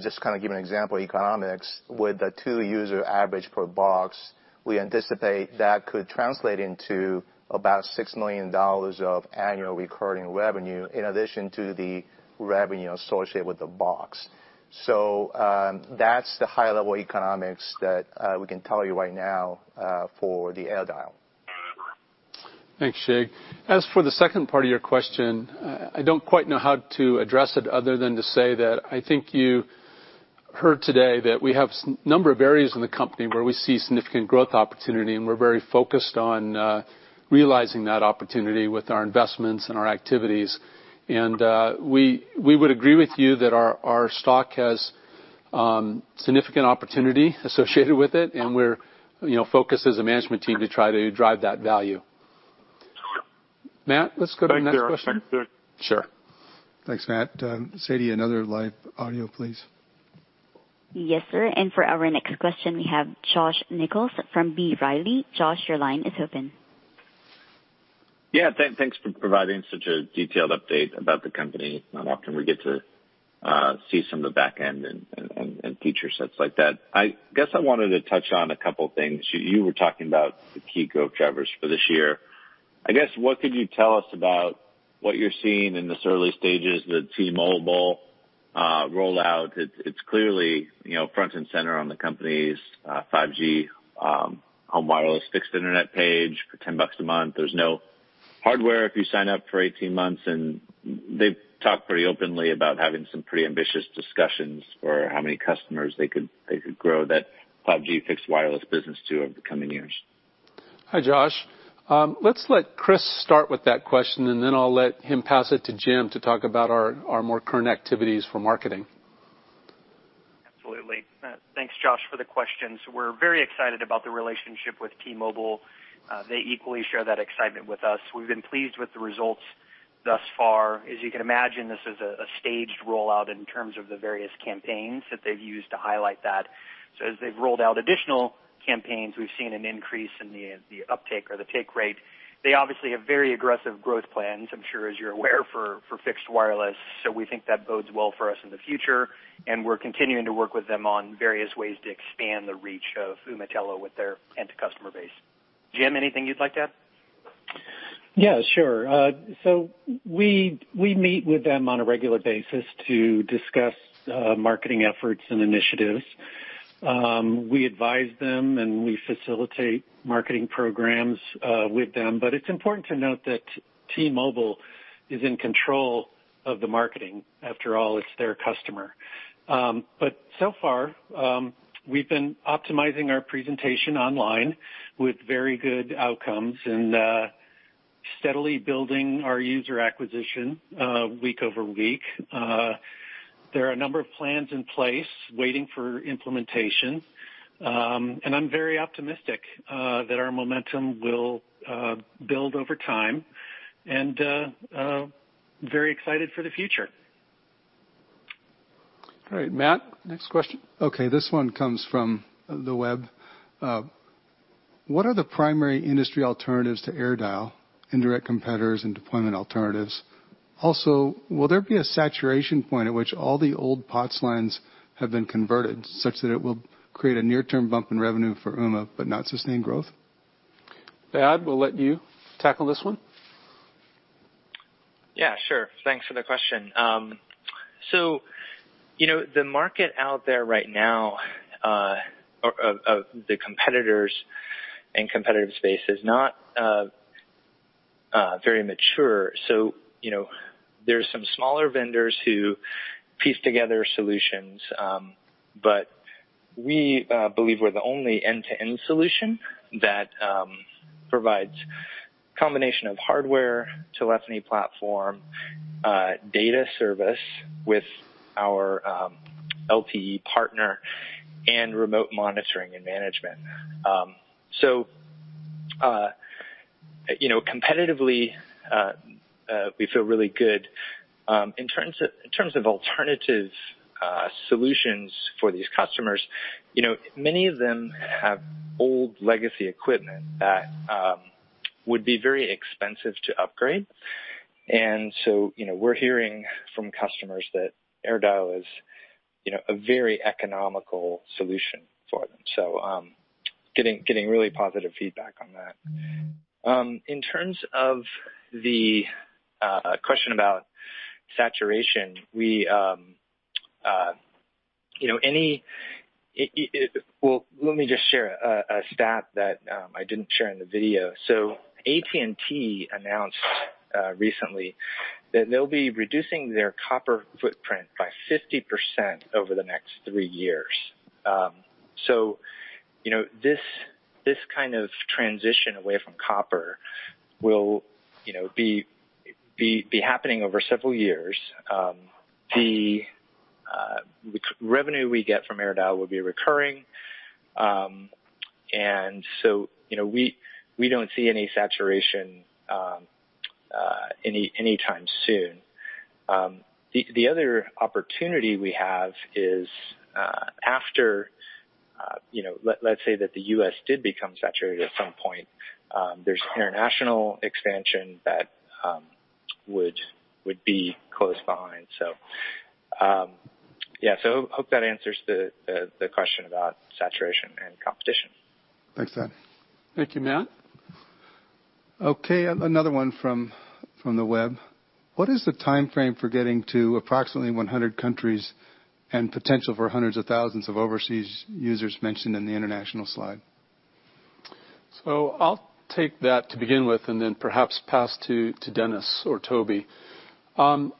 just to kind of give you an example economics, with a two-user average per box, we anticipate that could translate into about $6 million of annual recurring revenue in addition to the revenue associated with the box. That's the high-level economics that we can tell you right now for the AirDial. Thanks, Shig. As for the second part of your question, I don't quite know how to address it other than to say that I think you heard today that we have a number of areas in the company where we see significant growth opportunity, and we're very focused on realizing that opportunity with our investments and our activities. We would agree with you that our stock has significant opportunity associated with it, and we're, you know, focused as a management team to try to drive that value. Matt, let's go to the next question. Thank you. Sure. Thanks, Matt. Sadie, another live audio, please. Yes, sir. For our next question, we have Josh Nichols from B. Riley. Josh, your line is open. Yeah, thanks for providing such a detailed update about the company. Not often we get to see some of the back end and feature sets like that. I guess I wanted to touch on a couple things. You were talking about the key growth drivers for this year. I guess, what could you tell us about what you're seeing in these early stages, the T-Mobile rollout? It's clearly, you know, front and center on the company's 5G home wireless fixed internet page for $10 a month. There's no hardware if you sign up for 18 months, and they've talked pretty openly about having some pretty ambitious discussions for how many customers they could grow that 5G fixed wireless business to over the coming years. Hi, Josh. Let's let Chris start with that question, and then I'll let him pass it to Jim to talk about our more current activities for marketing. Absolutely. Thanks, Josh, for the question. We're very excited about the relationship with T-Mobile. They equally share that excitement with us. We've been pleased with the results thus far. As you can imagine, this is a staged rollout in terms of the various campaigns that they've used to highlight that. As they've rolled out additional campaigns, we've seen an increase in the uptake or the take rate. They obviously have very aggressive growth plans, I'm sure as you're aware, for fixed wireless. We think that bodes well for us in the future, and we're continuing to work with them on various ways to expand the reach of Ooma Telo with their end customer base. Jim, anything you'd like to add? Yeah, sure. We meet with them on a regular basis to discuss marketing efforts and initiatives. We advise them, and we facilitate marketing programs with them. It's important to note that T-Mobile is in control of the marketing. After all, it's their customer. So far, we've been optimizing our presentation online with very good outcomes and steadily building our user acquisition week-over-week. There are a number of plans in place waiting for implementation, and I'm very optimistic that our momentum will build over time, and very excited for the future. All right. Matt, next question. Okay, this one comes from the web. What are the primary industry alternatives to AirDial, indirect competitors and deployment alternatives? Also, will there be a saturation point at which all the old POTS lines have been converted such that it will create a near-term bump in revenue for Ooma but not sustain growth? Thad, we'll let you tackle this one. Yeah, sure. Thanks for the question. You know, the market out there right now, of the competitors and competitive space is not very mature. You know, there's some smaller vendors who piece together solutions, but we believe we're the only end-to-end solution that provides combination of hardware, telephony platform, data service with our LTE partner and remote monitoring and management. You know, competitively, we feel really good. In terms of alternative solutions for these customers, you know, many of them have old legacy equipment that would be very expensive to upgrade. You know, we're hearing from customers that AirDial is, you know, a very economical solution for them, so getting really positive feedback on that. In terms of the question about saturation, you know, Well, let me just share a stat that I didn't share in the video. AT&T announced recently that they'll be reducing their copper footprint by 50% over the next three years. You know, this kind of transition away from copper will, you know, be happening over several years. The revenue we get from AirDial will be recurring. You know, we don't see any saturation anytime soon. The other opportunity we have is, after, you know, let's say that the U.S. did become saturated at some point, there's international expansion that would be close behind. Yeah. I hope that answers the question about saturation and competition. Thanks, Dan. Thank you. Matt? Okay, another one from the web. What is the timeframe for getting to approximately 100 countries and potential for hundreds of thousands of overseas users mentioned in the international slide? I'll take that to begin with and then perhaps pass to Dennis or Toby. Our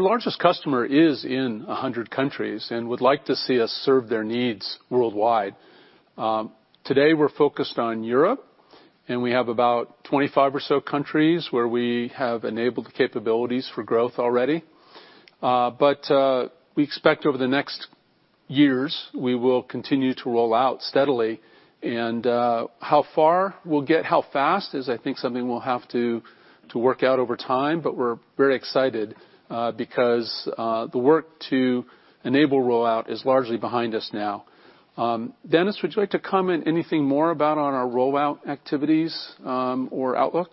largest customer is in 100 countries and would like to see us serve their needs worldwide. Today, we're focused on Europe, and we have about 25 or so countries where we have enabled the capabilities for growth already. We expect over the next years, we will continue to roll out steadily. How far we'll get, how fast is, I think, something we'll have to work out over time, but we're very excited because the work to enable rollout is largely behind us now. Dennis, would you like to comment anything more about our rollout activities or outlook?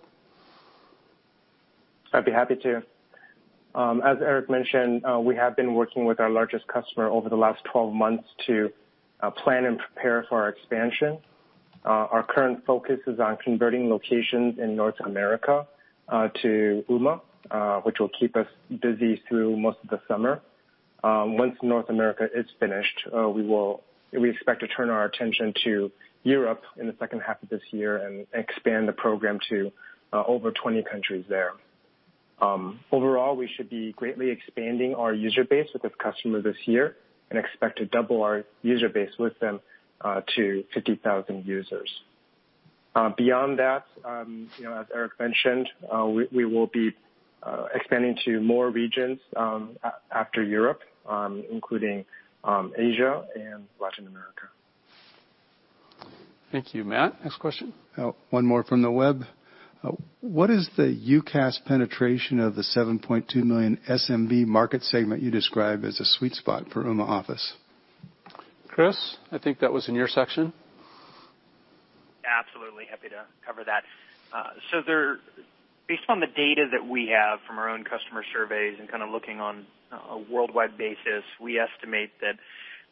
I'd be happy to. As Eric mentioned, we have been working with our largest customer over the last 12 months to plan and prepare for our expansion. Our current focus is on converting locations in North America to Ooma, which will keep us busy through most of the summer. Once North America is finished, we expect to turn our attention to Europe in the second half of this year and expand the program to over 20 countries there. Overall, we should be greatly expanding our user base with this customer this year and expect to double our user base with them to 50,000 users. Beyond that, you know, as Eric mentioned, we will be expanding to more regions after Europe, including Asia and Latin America. Thank you. Matt, next question. Oh, one more from the web. What is the UCaaS penetration of the 7.2 million SMB market segment you describe as a sweet spot for Ooma Office? Chris, I think that was in your section. Absolutely. Happy to cover that. Based on the data that we have from our own customer surveys and kinda looking on a worldwide basis, we estimate that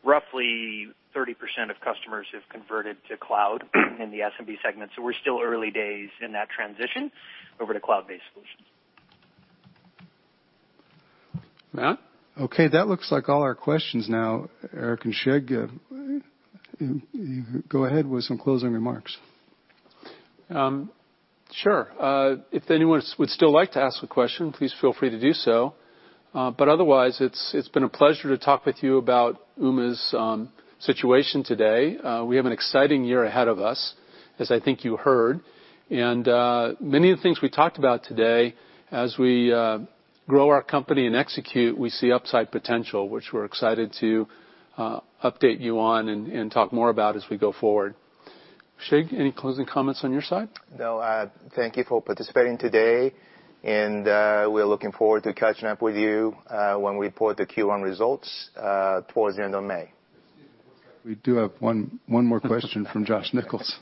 roughly 30% of customers have converted to cloud in the SMB segment. We're still early days in that transition over to cloud-based solutions. Matt? Okay, that looks like all our questions now, Eric and Shig. Go ahead with some closing remarks. Sure. If anyone would still like to ask a question, please feel free to do so. But otherwise, it's been a pleasure to talk with you about Ooma's situation today. We have an exciting year ahead of us, as I think you heard. Many of the things we talked about today as we grow our company and execute, we see upside potential, which we're excited to update you on and talk more about as we go forward. Shig, any closing comments on your side? Thank you for participating today, and we're looking forward to catching up with you when we report the Q1 results towards the end of May. We do have one more question from Josh Nichols.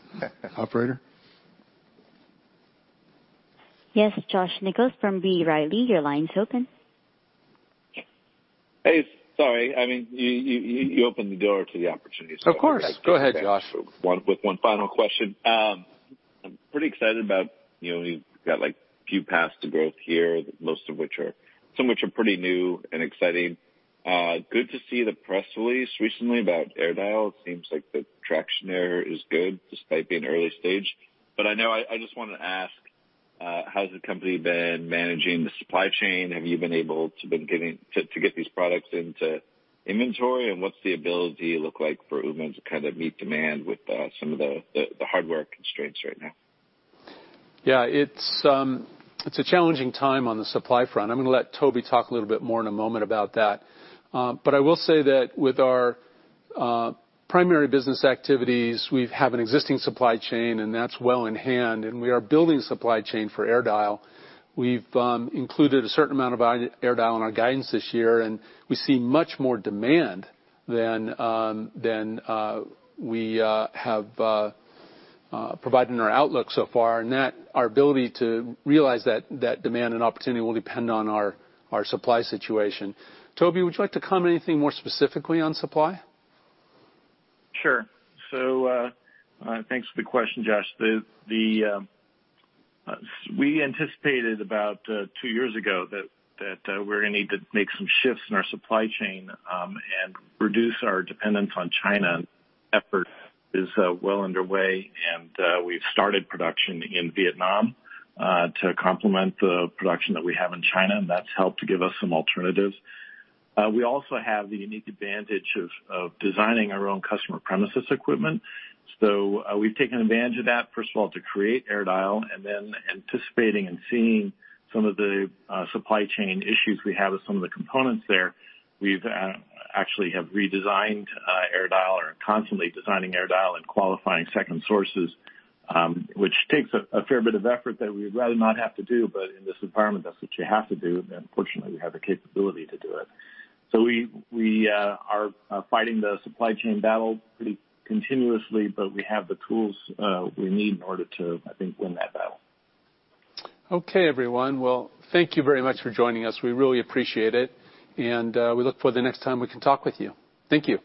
Operator? Yes, Josh Nichols from B. Riley, your line's open. Hey, sorry. I mean, you opened the door to the opportunity, so. Of course. Go ahead, Josh With one final question. I'm pretty excited about, you know, you've got, like, few paths to growth here, most of which are, some of which are pretty new and exciting. Good to see the press release recently about AirDial. It seems like the traction there is good despite being early stage. I know I just wanna ask, how's the company been managing the supply chain? Have you been able to get these products into inventory? And what's the visibility look like for Ooma to kind of meet demand with, some of the hardware constraints right now? Yeah. It's a challenging time on the supply front. I'm gonna let Toby talk a little bit more in a moment about that. I will say that with our primary business activities, we have an existing supply chain, and that's well in hand, and we are building supply chain for AirDial. We have included a certain amount about AirDial in our guidance this year, and we see much more demand than we have provided in our outlook so far. That, our ability to realize that demand and opportunity will depend on our supply situation. Toby, would you like to comment anything more specifically on supply? Thanks for the question, Josh. We anticipated about two years ago that we're gonna need to make some shifts in our supply chain and reduce our dependence on China. Effort is well underway, and we've started production in Vietnam to complement the production that we have in China, and that's helped to give us some alternatives. We also have the unique advantage of designing our own customer premises equipment. We've taken advantage of that, first of all, to create AirDial, and then, anticipating and seeing some of the supply chain issues we have with some of the components there, we've actually redesigned AirDial or are constantly designing AirDial and qualifying second sources, which takes a fair bit of effort that we'd rather not have to do. In this environment, that's what you have to do, and fortunately, we have the capability to do it. We are fighting the supply chain battle pretty continuously, but we have the tools we need in order to, I think, win that battle. Okay, everyone. Well, thank you very much for joining us. We really appreciate it. We look forward to the next time we can talk with you. Thank you.